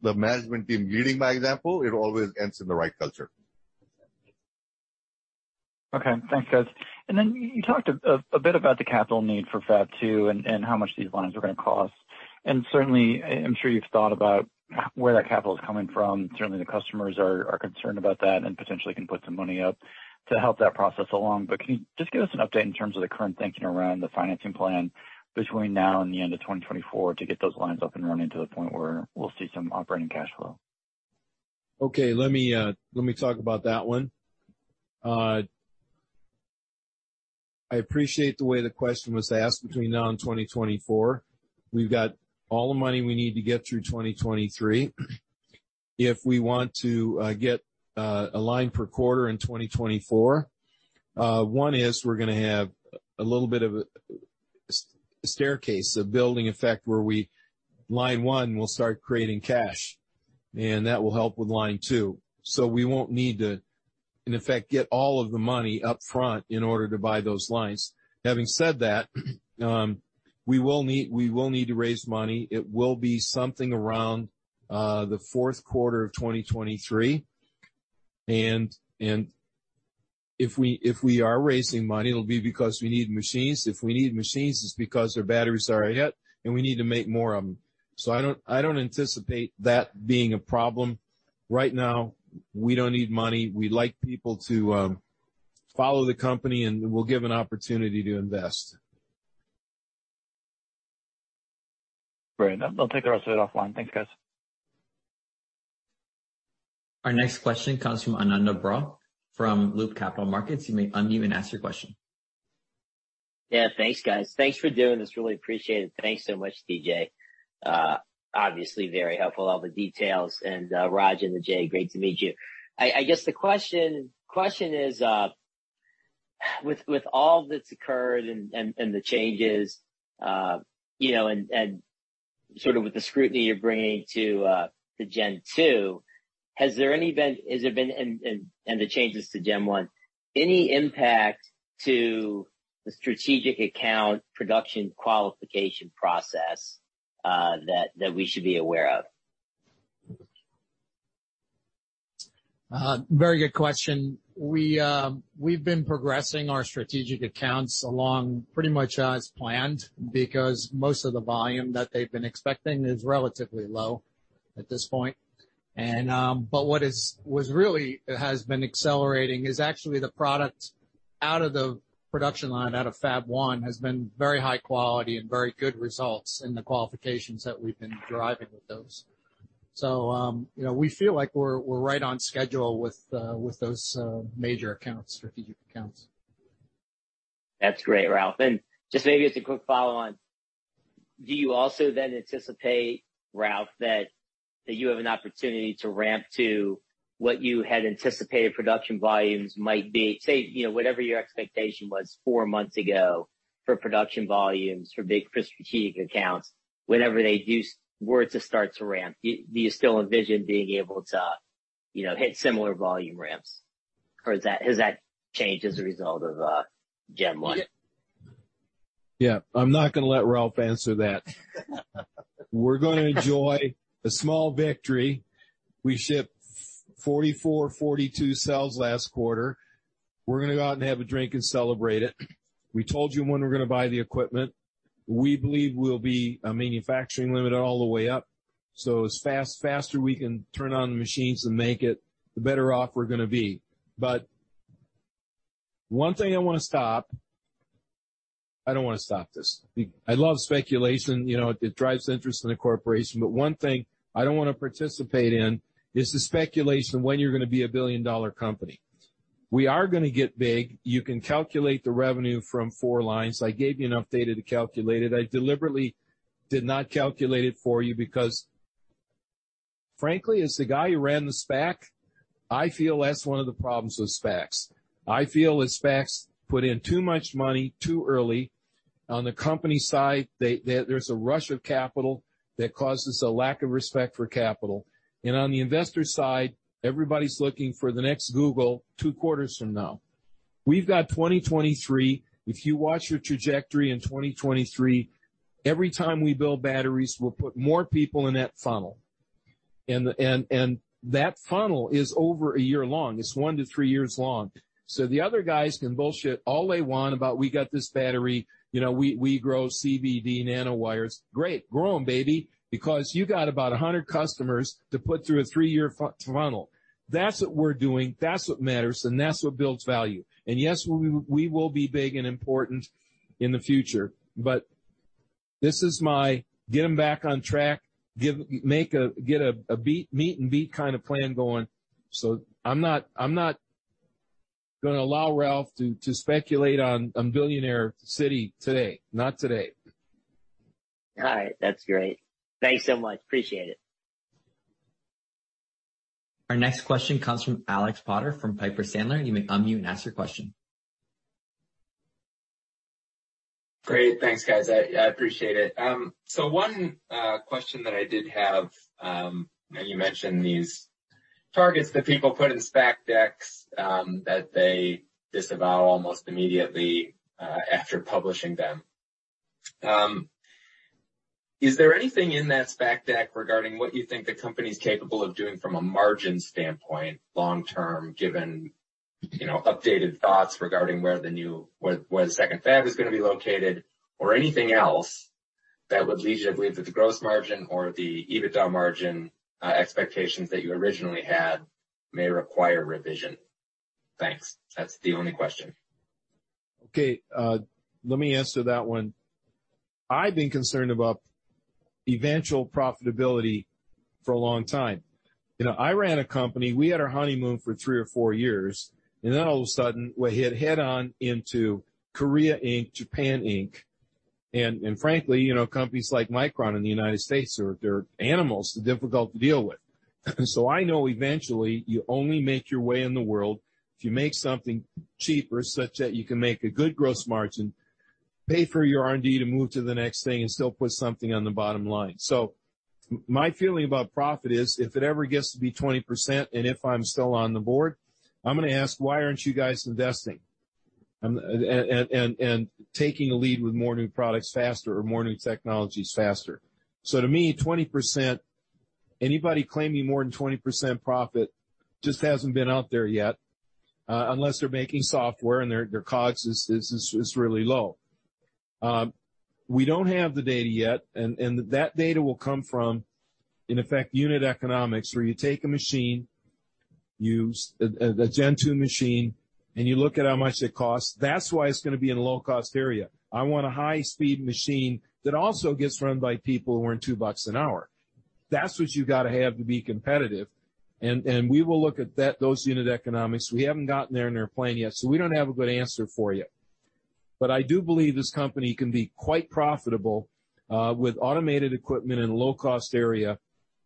the management team leading by example, it always ends in the right culture. Okay. Thanks, guys. You talked a bit about the capital need for Fab-2 and how much these lines are going to cost. Certainly, I'm sure you've thought about where that capital is coming from. Certainly, the customers are concerned about that and potentially can put some money up to help that process along. Can you just give us an update in terms of the current thinking around the financing plan between now and the end of 2024 to get those lines up and running to the point where we'll see some operating cash flow? Okay. Let me talk about that one. I appreciate the way the question was asked, between now and 2024. We've got all the money we need to get through 2023. If we want to get a line per quarter in 2024, one is we're gonna have a little bit of a staircase, a building effect where Line 1 will start creating cash. That will help with Line 2. We won't need to, in effect, get all of the money up front in order to buy those lines. Having said that, we will need to raise money. It will be something around the fourth quarter of 2023. If we are raising money, it'll be because we need machines. If we need machines, it's because their batteries are ahead, and we need to make more of them. I don't anticipate that being a problem. Right now, we don't need money. We'd like people to follow the company, and we'll give an opportunity to invest. Great. I'll take the rest of it offline. Thanks, guys. Our next question comes from Ananda Baruah from Loop Capital Markets. You may unmute and ask your question. Yeah, thanks, guys. Thanks for doing this. Really appreciate it. Thanks so much, T.J. Rodgers. Obviously very helpful, all the details. Raj and Ajay, great to meet you. I guess the question is, with all that's occurred and the changes, you know, and sort of with the scrutiny you're bringing to Gen2, has there been and the changes to Gen1, any impact to the strategic account production qualification process, that we should be aware of? Very good question. We've been progressing our strategic accounts along pretty much as planned because most of the volume that they've been expecting is relatively low at this point. What has really been accelerating is actually the products out of the production line, out of Fab-1, has been very high quality and very good results in the qualifications that we've been driving with those. You know, we feel like we're right on schedule with those major accounts, strategic accounts. That's great, Ralph. Just maybe as a quick follow on, do you also then anticipate, Ralph, that you have an opportunity to ramp to what you had anticipated production volumes might be, say, you know, whatever your expectation was four months ago for production volumes for big strategic accounts, whenever they were to start to ramp, do you still envision being able to, you know, hit similar volume ramps, or has that, has that changed as a result of Gen1? I'm not gonna let Ralph answer that. We're gonna enjoy a small victory. We shipped 44.42 cells last quarter. We're gonna go out and have a drink and celebrate it. We told you when we're gonna buy the equipment. We believe we'll be manufacturing limited all the way up. As fast, faster we can turn on the machines to make it, the better off we're gonna be. One thing I wanna stop. I don't wanna stop this. I love speculation. You know, it drives interest in a corporation. One thing I don't wanna participate in is the speculation when you're gonna be a billion-dollar company. We are gonna get big. You can calculate the revenue from four lines. I gave you enough data to calculate it. I deliberately did not calculate it for you because, frankly, as the guy who ran the SPAC, I feel that's one of the problems with SPACs. I feel that SPACs put in too much money too early. On the company side, there's a rush of capital that causes a lack of respect for capital. On the investor side, everybody's looking for the next Google two quarters from now. We've got 2023. If you watch your trajectory in 2023, every time we build batteries, we'll put more people in that funnel. That funnel is over a year long. It's 1 to 3 years long. The other guys can bullshit all they want about we got this battery, you know, we grow silicon nanowire. Great. Grow them, baby, because you got about 100 customers to put through a three-year funnel. That's what we're doing, that's what matters, and that's what builds value. yes, we will be big and important in the future. this is my get 'em back on track, get a beat, meet and beat kind of plan going. I'm not gonna allow Ralph to speculate on billionaire city today. Not today. All right. That's great. Thanks so much. Appreciate it. Our next question comes from Alex Potter from Piper Sandler. You may unmute and ask your question. Great. Thanks, guys. I appreciate it. One question that I did have, you mentioned these targets that people put in SPAC decks that they disavow almost immediately after publishing them. Is there anything in that SPAC deck regarding what you think the company is capable of doing from a margin standpoint long term, given, you know, updated thoughts regarding where the second Fab is gonna be located, or anything else that would lead you to believe that the gross margin or the EBITDA margin expectations that you originally had may require revision? Thanks. That's the only question. Okay, let me answer that one. I've been concerned about eventual profitability for a long time. You know, I ran a company. We had our honeymoon for 3 or 4 years, and then all of a sudden, we hit head on into Korea, Inc., Japan, Inc. Frankly, you know, companies like Micron in the United States are, they're animals, difficult to deal with. I know eventually you only make your way in the world if you make something cheaper such that you can make a good gross margin. Pay for your R&D to move to the next thing and still put something on the bottom line. My feeling about profit is if it ever gets to be 20%, and if I'm still on the board, I'm gonna ask, "Why aren't you guys investing and taking a lead with more new products faster or more new technologies faster?" To me, 20%. Anybody claiming more than 20% profit just hasn't been out there yet, unless they're making software and their cost is really low. We don't have the data yet. That data will come from, in effect, unit economics, where you take a machine, use a Gen2 machine, and you look at how much it costs. That's why it's gonna be in a low cost area. I want a high speed machine that also gets run by people who earn $2 an hour. That's what you gotta have to be competitive. We will look at those unit economics. We haven't gotten there in their plan yet, so we don't have a good answer for you. I do believe this company can be quite profitable with automated equipment in a low cost area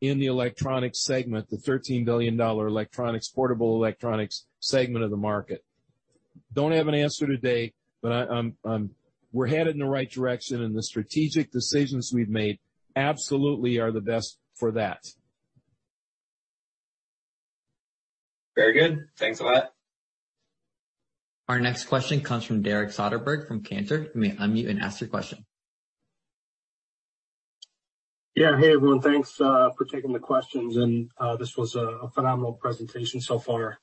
in the electronic segment, the $13 billion electronics, portable electronics segment of the market. Don't have an answer today, but we're headed in the right direction, and the strategic decisions we've made absolutely are the best for that. Very good. Thanks a lot. Our next question comes from Derek Soderberg from Cantor. You may unmute and ask your question. Yeah. Hey, everyone. Thanks for taking the questions. This was a phenomenal presentation so far.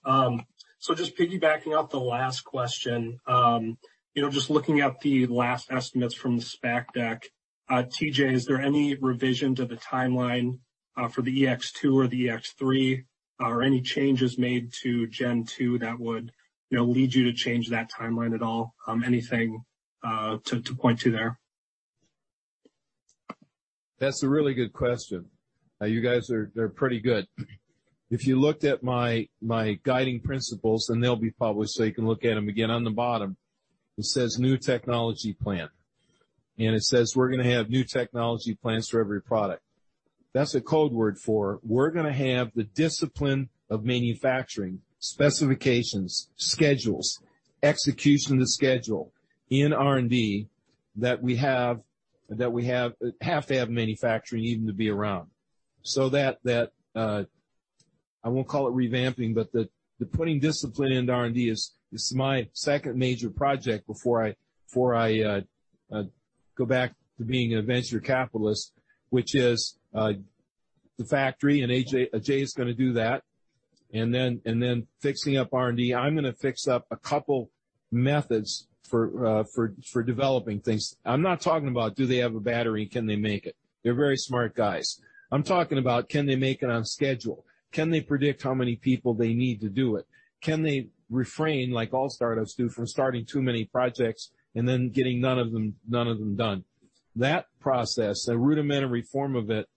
So just piggybacking off the last question, you know, just looking at the last estimates from the SPAC deck, T.J., is there any revision to the timeline for the EX-2 or the EX-3 or any changes made to Gen2 that would, you know, lead you to change that timeline at all? Anything to point to there? That's a really good question. You guys are pretty good. If you looked at my guiding principles, and they'll be published, so you can look at them again on the bottom. It says new technology plan. It says, "We're gonna have new technology plans for every product." That's a code word for we're gonna have the discipline of manufacturing, specifications, schedules, execution of the schedule in R&D that we have to have manufacturing even to be around. That I won't call it revamping, but the putting discipline into R&D is, this is my second major project before I go back to being a venture capitalist, which is the factory, and AJ is gonna do that. Then fixing up R&D. I'm gonna fix up a couple methods for developing things. I'm not talking about do they have a battery? Can they make it? They're very smart guys. I'm talking about can they make it on schedule? Can they predict how many people they need to do it? Can they refrain, like all startups do, from starting too many projects and then getting none of them done? That process, a rudimentary form of it,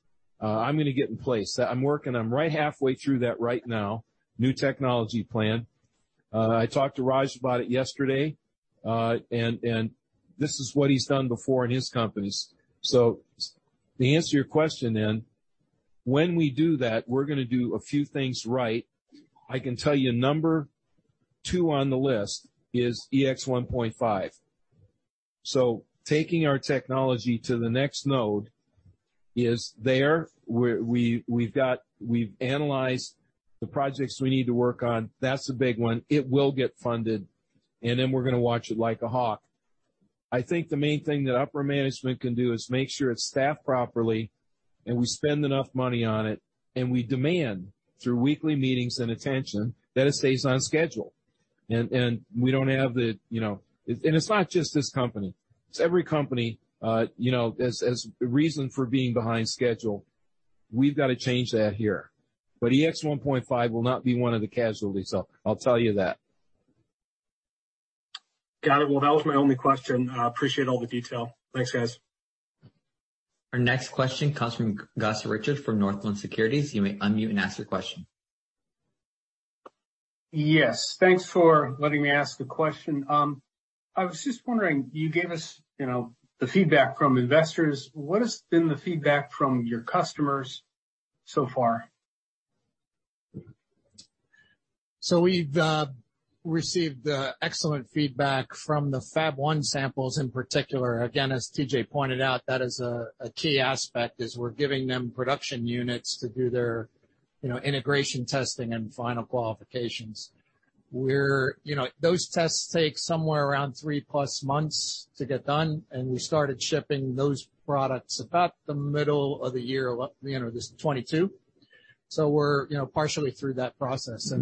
I'm gonna get in place. I'm working. I'm right halfway through that right now. New technology plan. I talked to Raj about it yesterday, and this is what he's done before in his companies. To answer your question then, when we do that, we're gonna do a few things right. I can tell you number two on the list is EX-1.5. Taking our technology to the next node is there. We've analyzed the projects we need to work on. That's a big one. It will get funded, we're gonna watch it like a hawk. I think the main thing that upper management can do is make sure it's staffed properly and we spend enough money on it, and we demand through weekly meetings and attention that it stays on schedule. We don't have the, you know. It's every company, you know, as reason for being behind schedule. We've got to change that here. EX-1.5 will not be one of the casualties, I'll tell you that. Got it. Well, that was my only question. I appreciate all the detail. Thanks, guys. Our next question comes from Gus Richard from Northland Securities. You may unmute and ask your question. Yes. Thanks for letting me ask a question. I was just wondering, you gave us, you know, the feedback from investors. What has been the feedback from your customers so far? We've received excellent feedback from the Fab-1 samples in particular. Again, as T.J. pointed out, that is a key aspect, is we're giving them production units to do their, you know, integration testing and final qualifications. You know, those tests take somewhere around 3+ months to get done, and we started shipping those products about the middle of the year, you know, this 2022. We're, you know, partially through that process.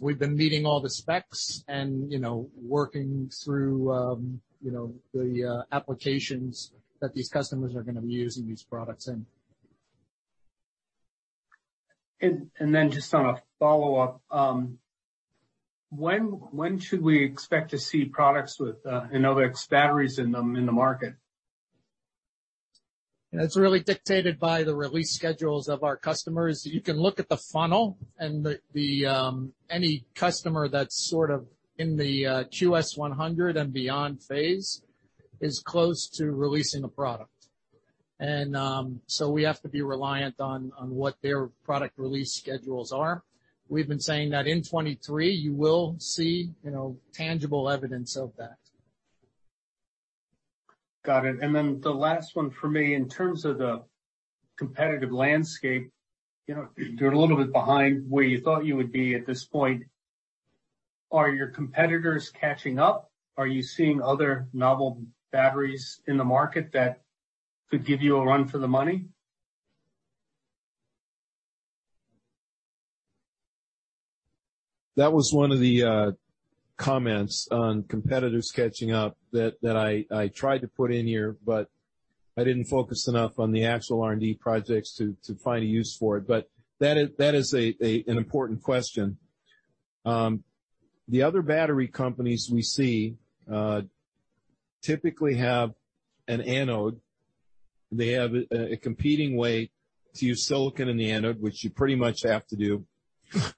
We've been meeting all the specs and, you know, working through, you know, the applications that these customers are gonna be using these products in. Just on a follow-up, when should we expect to see products with Enovix batteries in them in the market? It's really dictated by the release schedules of our customers. You can look at the funnel and the, any customer that's sort of in the QS100 and beyond phase is close to releasing a product. We have to be reliant on what their product release schedules are. We've been saying that in 2023 you will see, you know, tangible evidence of that. Got it. The last one for me, in terms of the competitive landscape, you know, you're a little bit behind where you thought you would be at this point. Are your competitors catching up? Are you seeing other novel batteries in the market that could give you a run for the money? That was one of the comments on competitors catching up that I tried to put in here, but I didn't focus enough on the actual R&D projects to find a use for it. That is an important question. The other battery companies we see typically have an anode. They have a competing way to use silicon in the anode, which you pretty much have to do,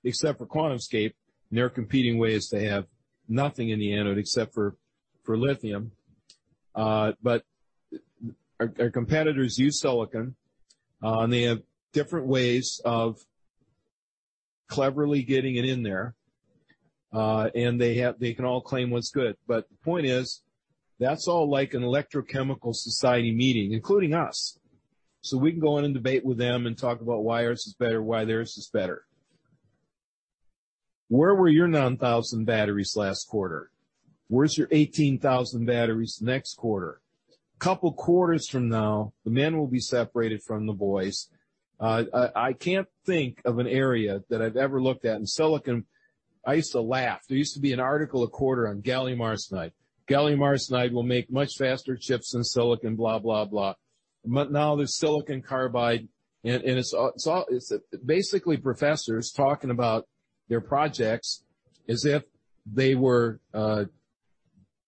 except for QuantumScape. Their competing way is they have nothing in the anode except for lithium. Our competitors use silicon, and they have different ways of cleverly getting it in there. They can all claim what's good. The point is, that's all like an electrochemical society meeting, including us. We can go in and debate with them and talk about why ours is better, why theirs is better. Where were your 9,000 batteries last quarter? Where's your 18,000 batteries next quarter? Couple quarters from now, the men will be separated from the boys. I can't think of an area that I've ever looked at in silicon. I used to laugh. There used to be an article a quarter on gallium arsenide. Gallium arsenide will make much faster chips than silicon, blah, blah. Now there's silicon carbide, and it's basically professors talking about their projects as if they were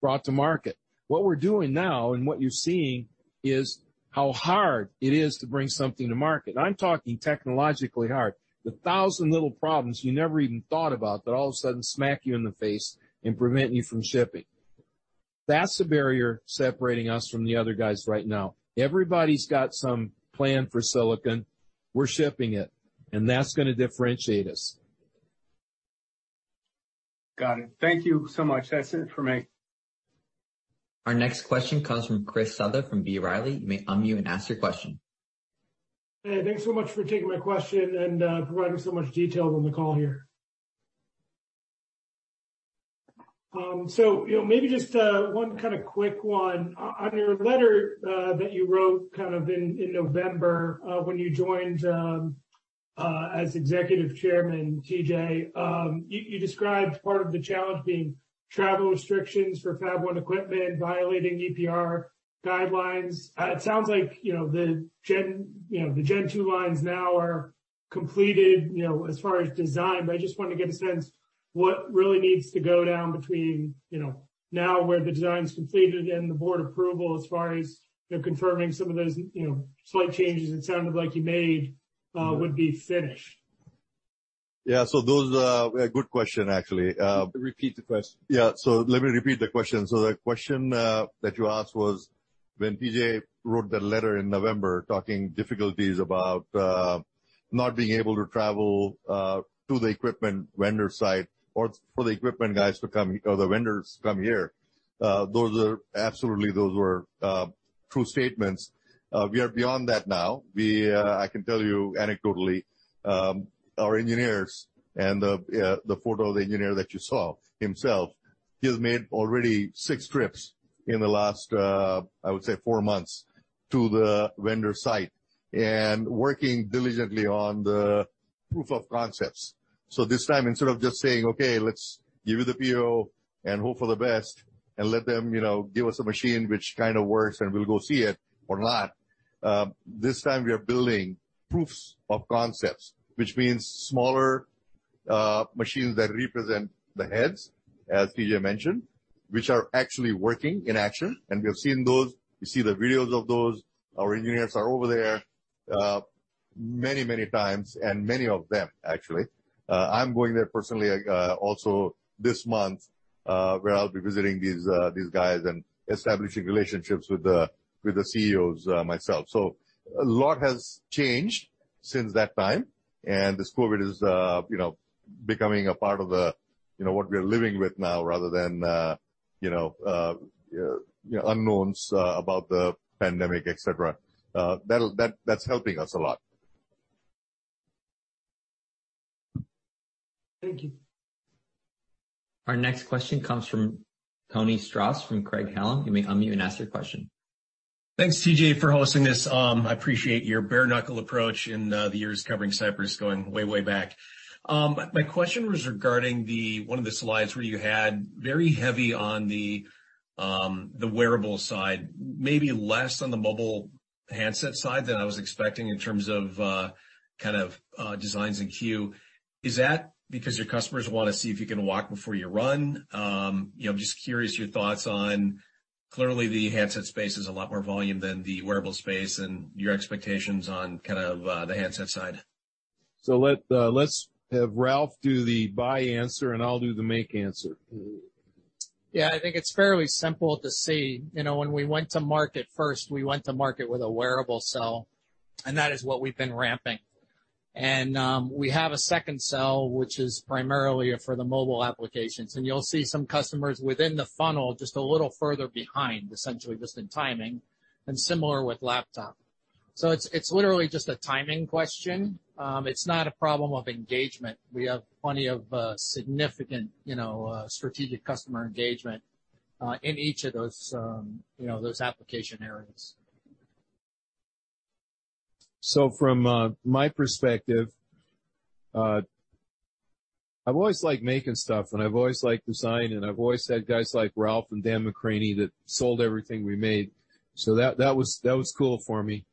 brought to market. What we're doing now and what you're seeing is how hard it is to bring something to market. I'm talking technologically hard. The 1,000 little problems you never even thought about that all of a sudden smack you in the face and prevent you from shipping. That's the barrier separating us from the other guys right now. Everybody's got some plan for silicon. We're shipping it, and that's gonna differentiate us. Got it. Thank you so much. That's it for me. Our next question comes from Chris Souther from B. Riley. You may unmute and ask your question. Hey, thanks so much for taking my question and providing so much detail on the call here. you know, maybe just one kind of quick one. On your letter that you wrote kind of in November, when you joined as Executive Chairman, T.J., you described part of the challenge being travel restrictions for Fab-1 equipment violating EPR guidelines. It sounds like, you know, the Gen2 lines now are completed, you know, as far as design. I just wanted to get a sense what really needs to go down between, you know, now where the design's completed and the board approval as far as, you know, confirming some of those, you know, slight changes it sounded like you made would be finished. Yeah. A good question, actually. Repeat the question. Let me repeat the question. The question that you asked was when T.J. wrote that letter in November talking difficulties about not being able to travel to the equipment vendor site or for the vendors to come here. Absolutely, those were true statements. We are beyond that now. We, I can tell you anecdotally, our engineers and the photo of the engineer that you saw himself, he has made already six trips in the last, I would say four months to the vendor site and working diligently on the proof of concepts. This time, instead of just saying, "Okay, let's give you the PO and hope for the best and let them, you know, give us a machine which kind of works, and we'll go see it or not." This time we are building proofs of concepts, which means smaller machines that represent the heads, as T.J. Mentioned, which are actually working in action. We have seen those. You see the videos of those. Our engineers are over there many, many times, and many of them actually. I'm going there personally also this month where I'll be visiting these guys and establishing relationships with the CEOs myself. A lot has changed since that time, and this COVID is, you know, becoming a part of the, you know, what we are living with now rather than, you know, unknowns about the pandemic, et cetera. That's helping us a lot. Thank you. Our next question comes from Tony Stoss from Craig-Hallum. You may unmute and ask your question. Thanks, T.J., for hosting this. I appreciate your bare knuckle approach in the years covering Cypress going way back. My question was regarding one of the slides where you had very heavy on the wearable side, maybe less on the mobile handset side than I was expecting in terms of kind of designs in queue. Is that because your customers want to see if you can walk before you run? You know, I'm just curious your thoughts on clearly the handset space is a lot more volume than the wearable space and your expectations on kind of the handset side. Let's have Ralph do the buy answer, and I'll do the make answer. Yeah, I think it's fairly simple to see. You know, when we went to market first, we went to market with a wearable cell, and that is what we've been ramping. We have a second cell, which is primarily for the mobile applications, and you'll see some customers within the funnel just a little further behind, essentially just in timing and similar with laptop. It's literally just a timing question. It's not a problem of engagement. We have plenty of significant, you know, strategic customer engagement in each of those, you know, those application areas. From my perspective, I've always liked making stuff, and I've always liked design, and I've always had guys like Ralph and Dan McCranie that sold everything we made. That, that was, that was cool for me.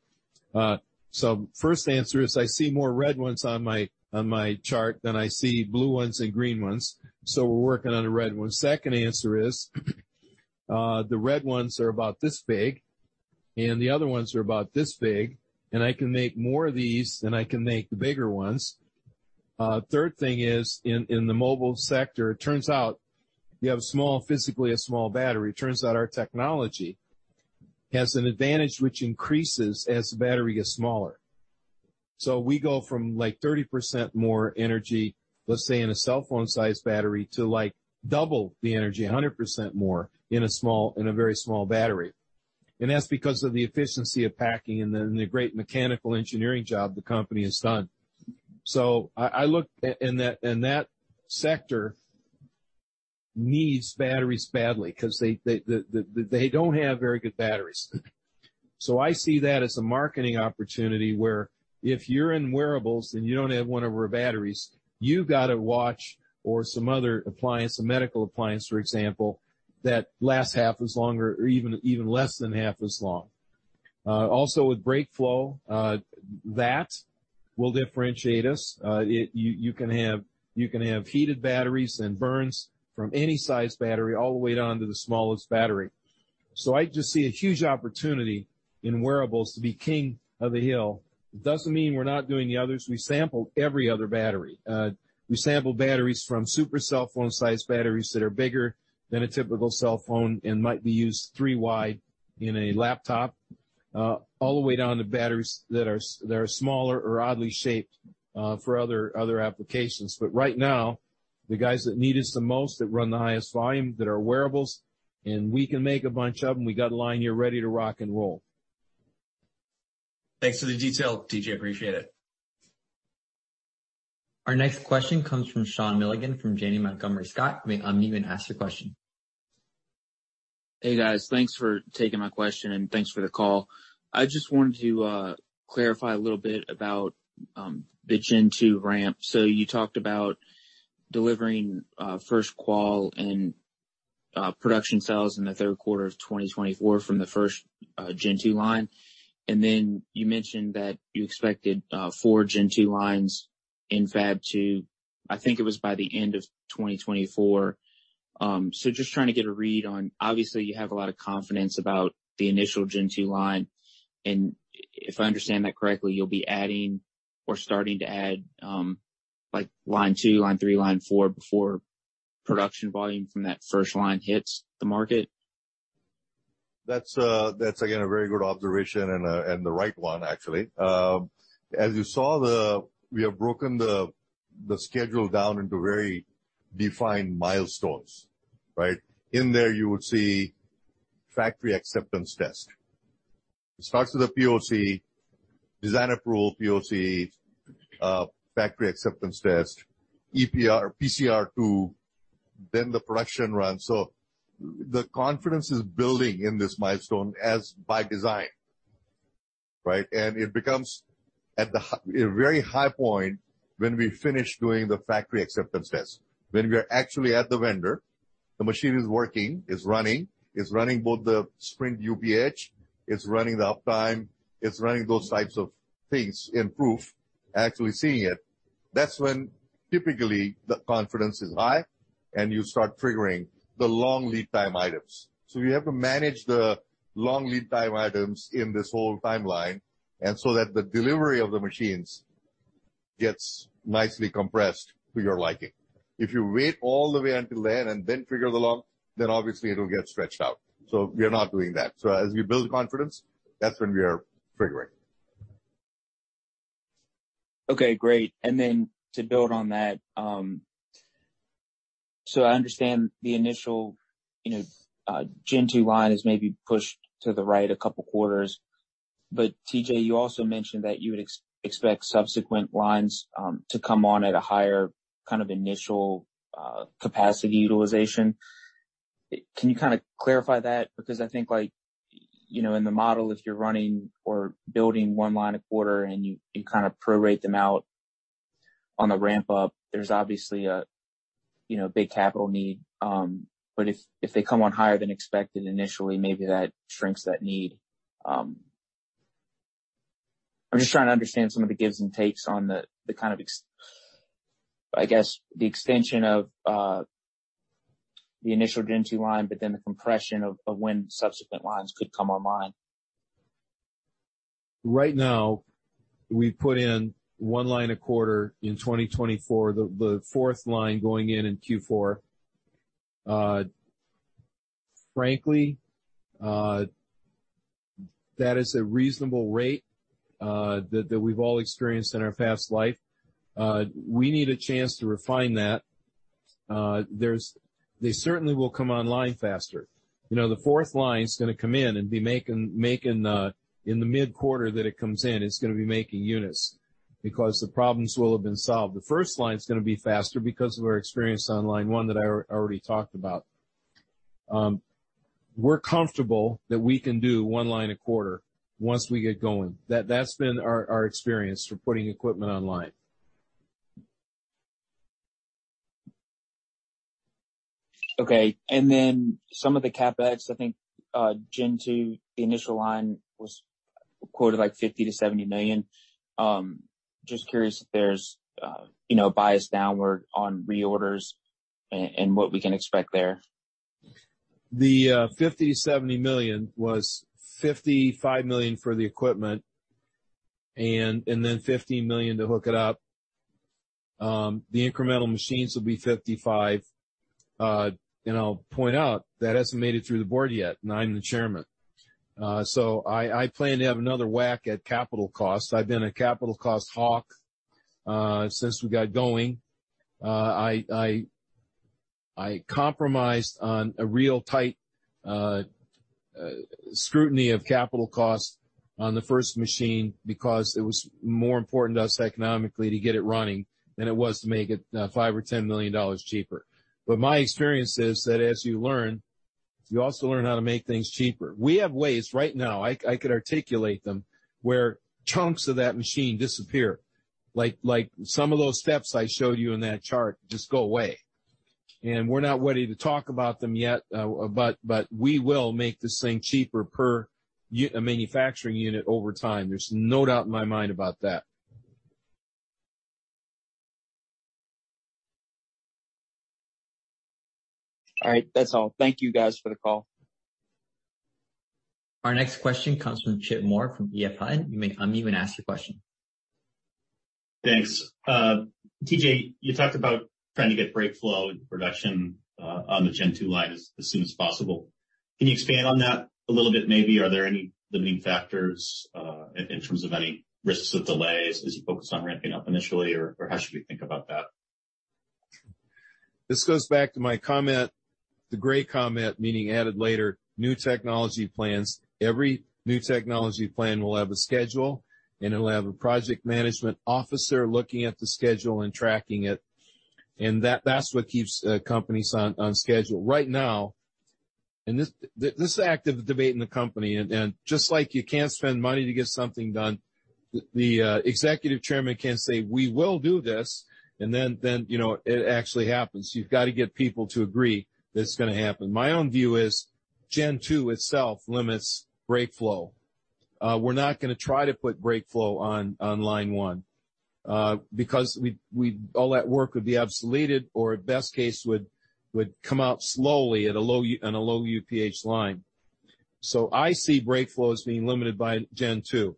First answer is I see more red ones on my, on my chart than I see blue ones and green ones. We're working on a red one. Second answer is, the red ones are about this big, and the other ones are about this big. I can make more of these than I can make the bigger ones. Third thing is in the mobile sector, it turns out you have physically a small battery. It turns out our technology has an advantage which increases as the battery gets smaller. We go from, like, 30% more energy, let's say, in a cell phone sized battery, to, like, double the energy, 100% more in a very small battery. That's because of the efficiency of packing and the great mechanical engineering job the company has done. I look. That, and that sector needs batteries badly 'cause they don't have very good batteries. I see that as a marketing opportunity where if you're in wearables and you don't have one of our batteries, you've got a watch or some other appliance, a medical appliance, for example, that lasts half as long or even less than half as long. Also with BrakeFlow, that will differentiate us. You can have heated batteries and burns from any size battery all the way down to the smallest battery. I just see a huge opportunity in wearables to be king of the hill. It doesn't mean we're not doing the others. We sample every other battery. We sample batteries from super cell phone-sized batteries that are bigger than a typical cell phone and might be used three wide in a laptop, all the way down to batteries that are smaller or oddly shaped, for other applications. Right now, the guys that need us the most, that run the highest volume, that are wearables, and we can make a bunch of them. We got a line here ready to rock and roll. Thanks for the detail, T.J. Appreciate it. Our next question comes from Sean Milligan from Janney Montgomery Scott. You may unmute and ask your question. Hey, guys. Thanks for taking my question, and thanks for the call. I just wanted to clarify a little bit about the Gen2 ramp. You talked about delivering first qual and production cells in the third quarter of 2024 from the first Gen2 line. You mentioned that you expected 4 Gen2 lines in Fab-2, I think it was by the end of 2024. Just trying to get a read on-- obviously you have a lot of confidence about the initial Gen2 line, and if I understand that correctly, you'll be adding or starting to add, like Line 2, Line 3, Line 4 before production volume from that first line hits the market. That's again, a very good observation and the right one actually. As you saw, we have broken the schedule down into very defined milestones, right? In there you would see factory acceptance test. It starts with a PoC, design approval PoC, factory acceptance test, EPR, PCR 2, then the production run. The confidence is building in this milestone as by design, right? It becomes at a very high point when we finish doing the factory acceptance test. When we are actually at the vendor, the machine is working, it's running. It's running both the sprint UPH, it's running the uptime, it's running those types of things in proof, actually seeing it. That's when typically the confidence is high and you start triggering the long lead time items. We have to manage the long lead time items in this whole timeline and so that the delivery of the machines gets nicely compressed to your liking. If you wait all the way until then and then trigger the long, then obviously it'll get stretched out. We are not doing that. As we build confidence, that's when we are triggering. Okay, great. To build on that, I understand the initial, you know, Gen2 line is maybe pushed to the right 2 quarters. T.J., you also mentioned that you would expect subsequent lines to come on at a higher kind of initial capacity utilization. Can you kind of clarify that? I think like, you know, in the model, if you're running or building one line a quarter and you kind of prorate them out on the ramp up, there's obviously a, you know, big capital need. If they come on higher than expected initially, maybe that shrinks that need. I'm just trying to understand some of the gives and takes on the kind of I guess the extension of the initial Gen2 line, but then the compression of when subsequent lines could come online. Right now, we put in 1 line a quarter in 2024, the fourth line going in in Q4. Frankly, that is a reasonable rate that we've all experienced in our past life. We need a chance to refine that. They certainly will come online faster. You know, the fourth line is gonna come in and be making in the mid-quarter that it comes in, it's gonna be making units because the problems will have been solved. The first line is gonna be faster because of our experience on Line 1 that I already talked about. We're comfortable that we can do 1 line a quarter once we get going. That's been our experience for putting equipment online. Okay. some of the CapEx, I think, Gen2, the initial line was quoted like $50 million-$70 million. just curious if there's, you know, bias downward on reorders and what we can expect there. The $50 million-$70 million was $55 million for the equipment and then $15 million to hook it up. The incremental machines will be $55 million. I'll point out that hasn't made it through the board yet, and I'm the chairman. I plan to have another whack at capital costs. I've been a capital cost hawk, since we got going. I compromised on a real tight scrutiny of capital costs on the first machine because it was more important to us economically to get it running than it was to make it, $5 million or $10 million cheaper. My experience is that as you learn, you also learn how to make things cheaper. We have ways right now, I could articulate them, where chunks of that machine disappear. Like, some of those steps I showed you in that chart just go away. We're not ready to talk about them yet, but we will make this thing cheaper per manufacturing unit over time. There's no doubt in my mind about that. All right. That's all. Thank you guys for the call. Our next question comes from Chip Moore from Roth. You may unmute and ask your question. Thanks. T.J., you talked about trying to get BrakeFlow into production on the Gen2 line as soon as possible. Can you expand on that a little bit maybe? Are there any limiting factors in terms of any risks of delays as you focus on ramping up initially, or how should we think about that? This goes back to my comment, the gray comment, meaning added later, new technology plans. Every new technology plan will have a schedule, and it'll have a project management officer looking at the schedule and tracking it, that's what keeps companies on schedule. Right now, this is an active debate in the company, just like you can't spend money to get something done, the Executive Chairman can't say, "We will do this," then, you know, it actually happens. You've got to get people to agree that it's gonna happen. My own view is Gen2 itself limits BrakeFlow. We're not gonna try to put BrakeFlow on Line 1, because we all that work would be obsoleted or best case would come out slowly at a low on a low UPH line. I see BrakeFlow as being limited by Gen2.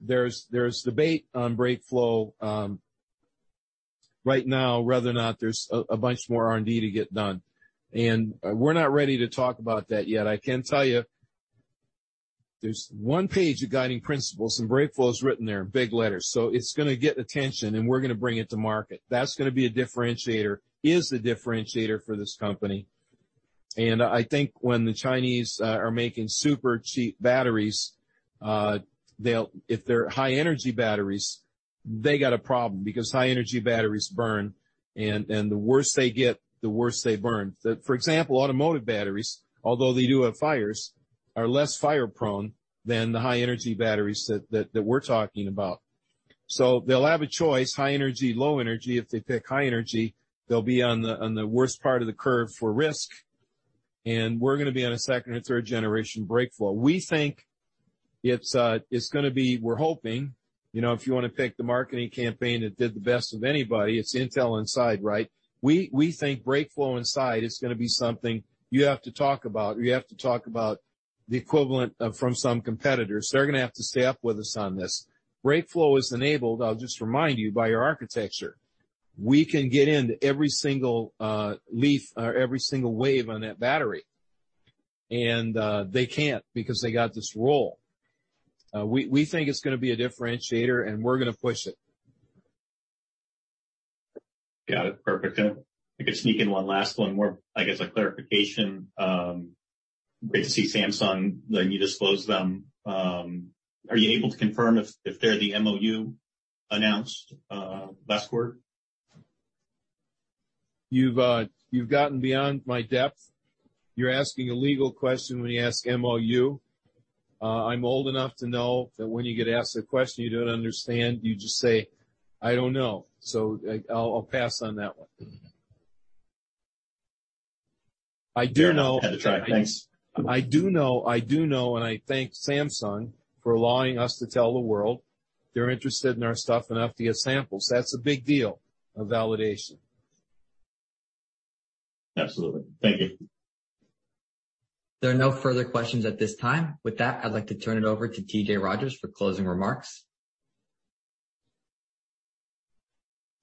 There's debate on BrakeFlow right now, whether or not there's a bunch more R&D to get done. We're not ready to talk about that yet. I can tell you there's one page of guiding principles, and BrakeFlow is written there in big letters. It's gonna get attention, and we're gonna bring it to market. That's gonna be a differentiator, is the differentiator for this company. I think when the Chinese are making super cheap batteries, if they're high energy batteries, they got a problem because high energy batteries burn, and the worse they get, the worse they burn. For example, automotive batteries, although they do have fires, are less fire prone than the high energy batteries that we're talking about. They'll have a choice, high energy, low energy. If they pick high energy, they'll be on the worst part of the curve for risk, we're gonna be on a second or third generation BrakeFlow. We think. We're hoping, you know, if you wanna pick the marketing campaign that did the best of anybody, it's Intel Inside, right? We think BrakeFlow Inside is gonna be something you have to talk about or you have to talk about the equivalent of from some competitors. They're gonna have to stay up with us on this. BrakeFlow is enabled, I'll just remind you, by your architecture. We can get into every single leaf or every single wave on that battery. They can't because they got this roll. We think it's gonna be a differentiator, and we're gonna push it. Got it. Perfect. I could sneak in one last one more, I guess, like, clarification. Great to see Samsung, you disclose them. Are you able to confirm if they're the MOU announced, last quarter? You've, you've gotten beyond my depth. You're asking a legal question when you ask MOU. I'm old enough to know that when you get asked a question you don't understand, you just say, "I don't know." I'll pass on that one. I do know- Had to try. Thanks. I do know, I thank Samsung for allowing us to tell the world they're interested in our stuff enough to get samples. That's a big deal of validation. Absolutely. Thank you. There are no further questions at this time. With that, I'd like to turn it over to T.J. Rodgers for closing remarks.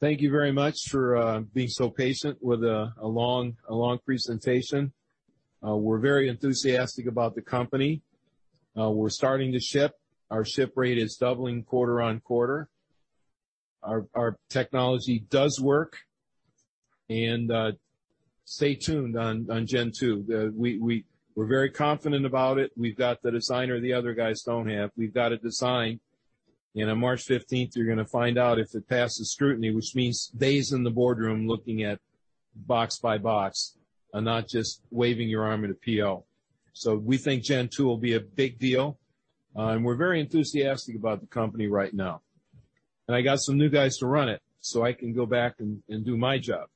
Thank you very much for being so patient with a long presentation. We're very enthusiastic about the company. We're starting to ship. Our ship rate is doubling quarter-over-quarter. Our technology does work. Stay tuned on Gen2. We're very confident about it. We've got the design that the other guys don't have. We've got a design. You know, March 15th, you're going to find out if it passes scrutiny, which means days in the boardroom looking at box by box and not just waving your arm at a PO. We think Gen2 will be a big deal, and we're very enthusiastic about the company right now. I got some new guys to run it, so I can go back and do my job.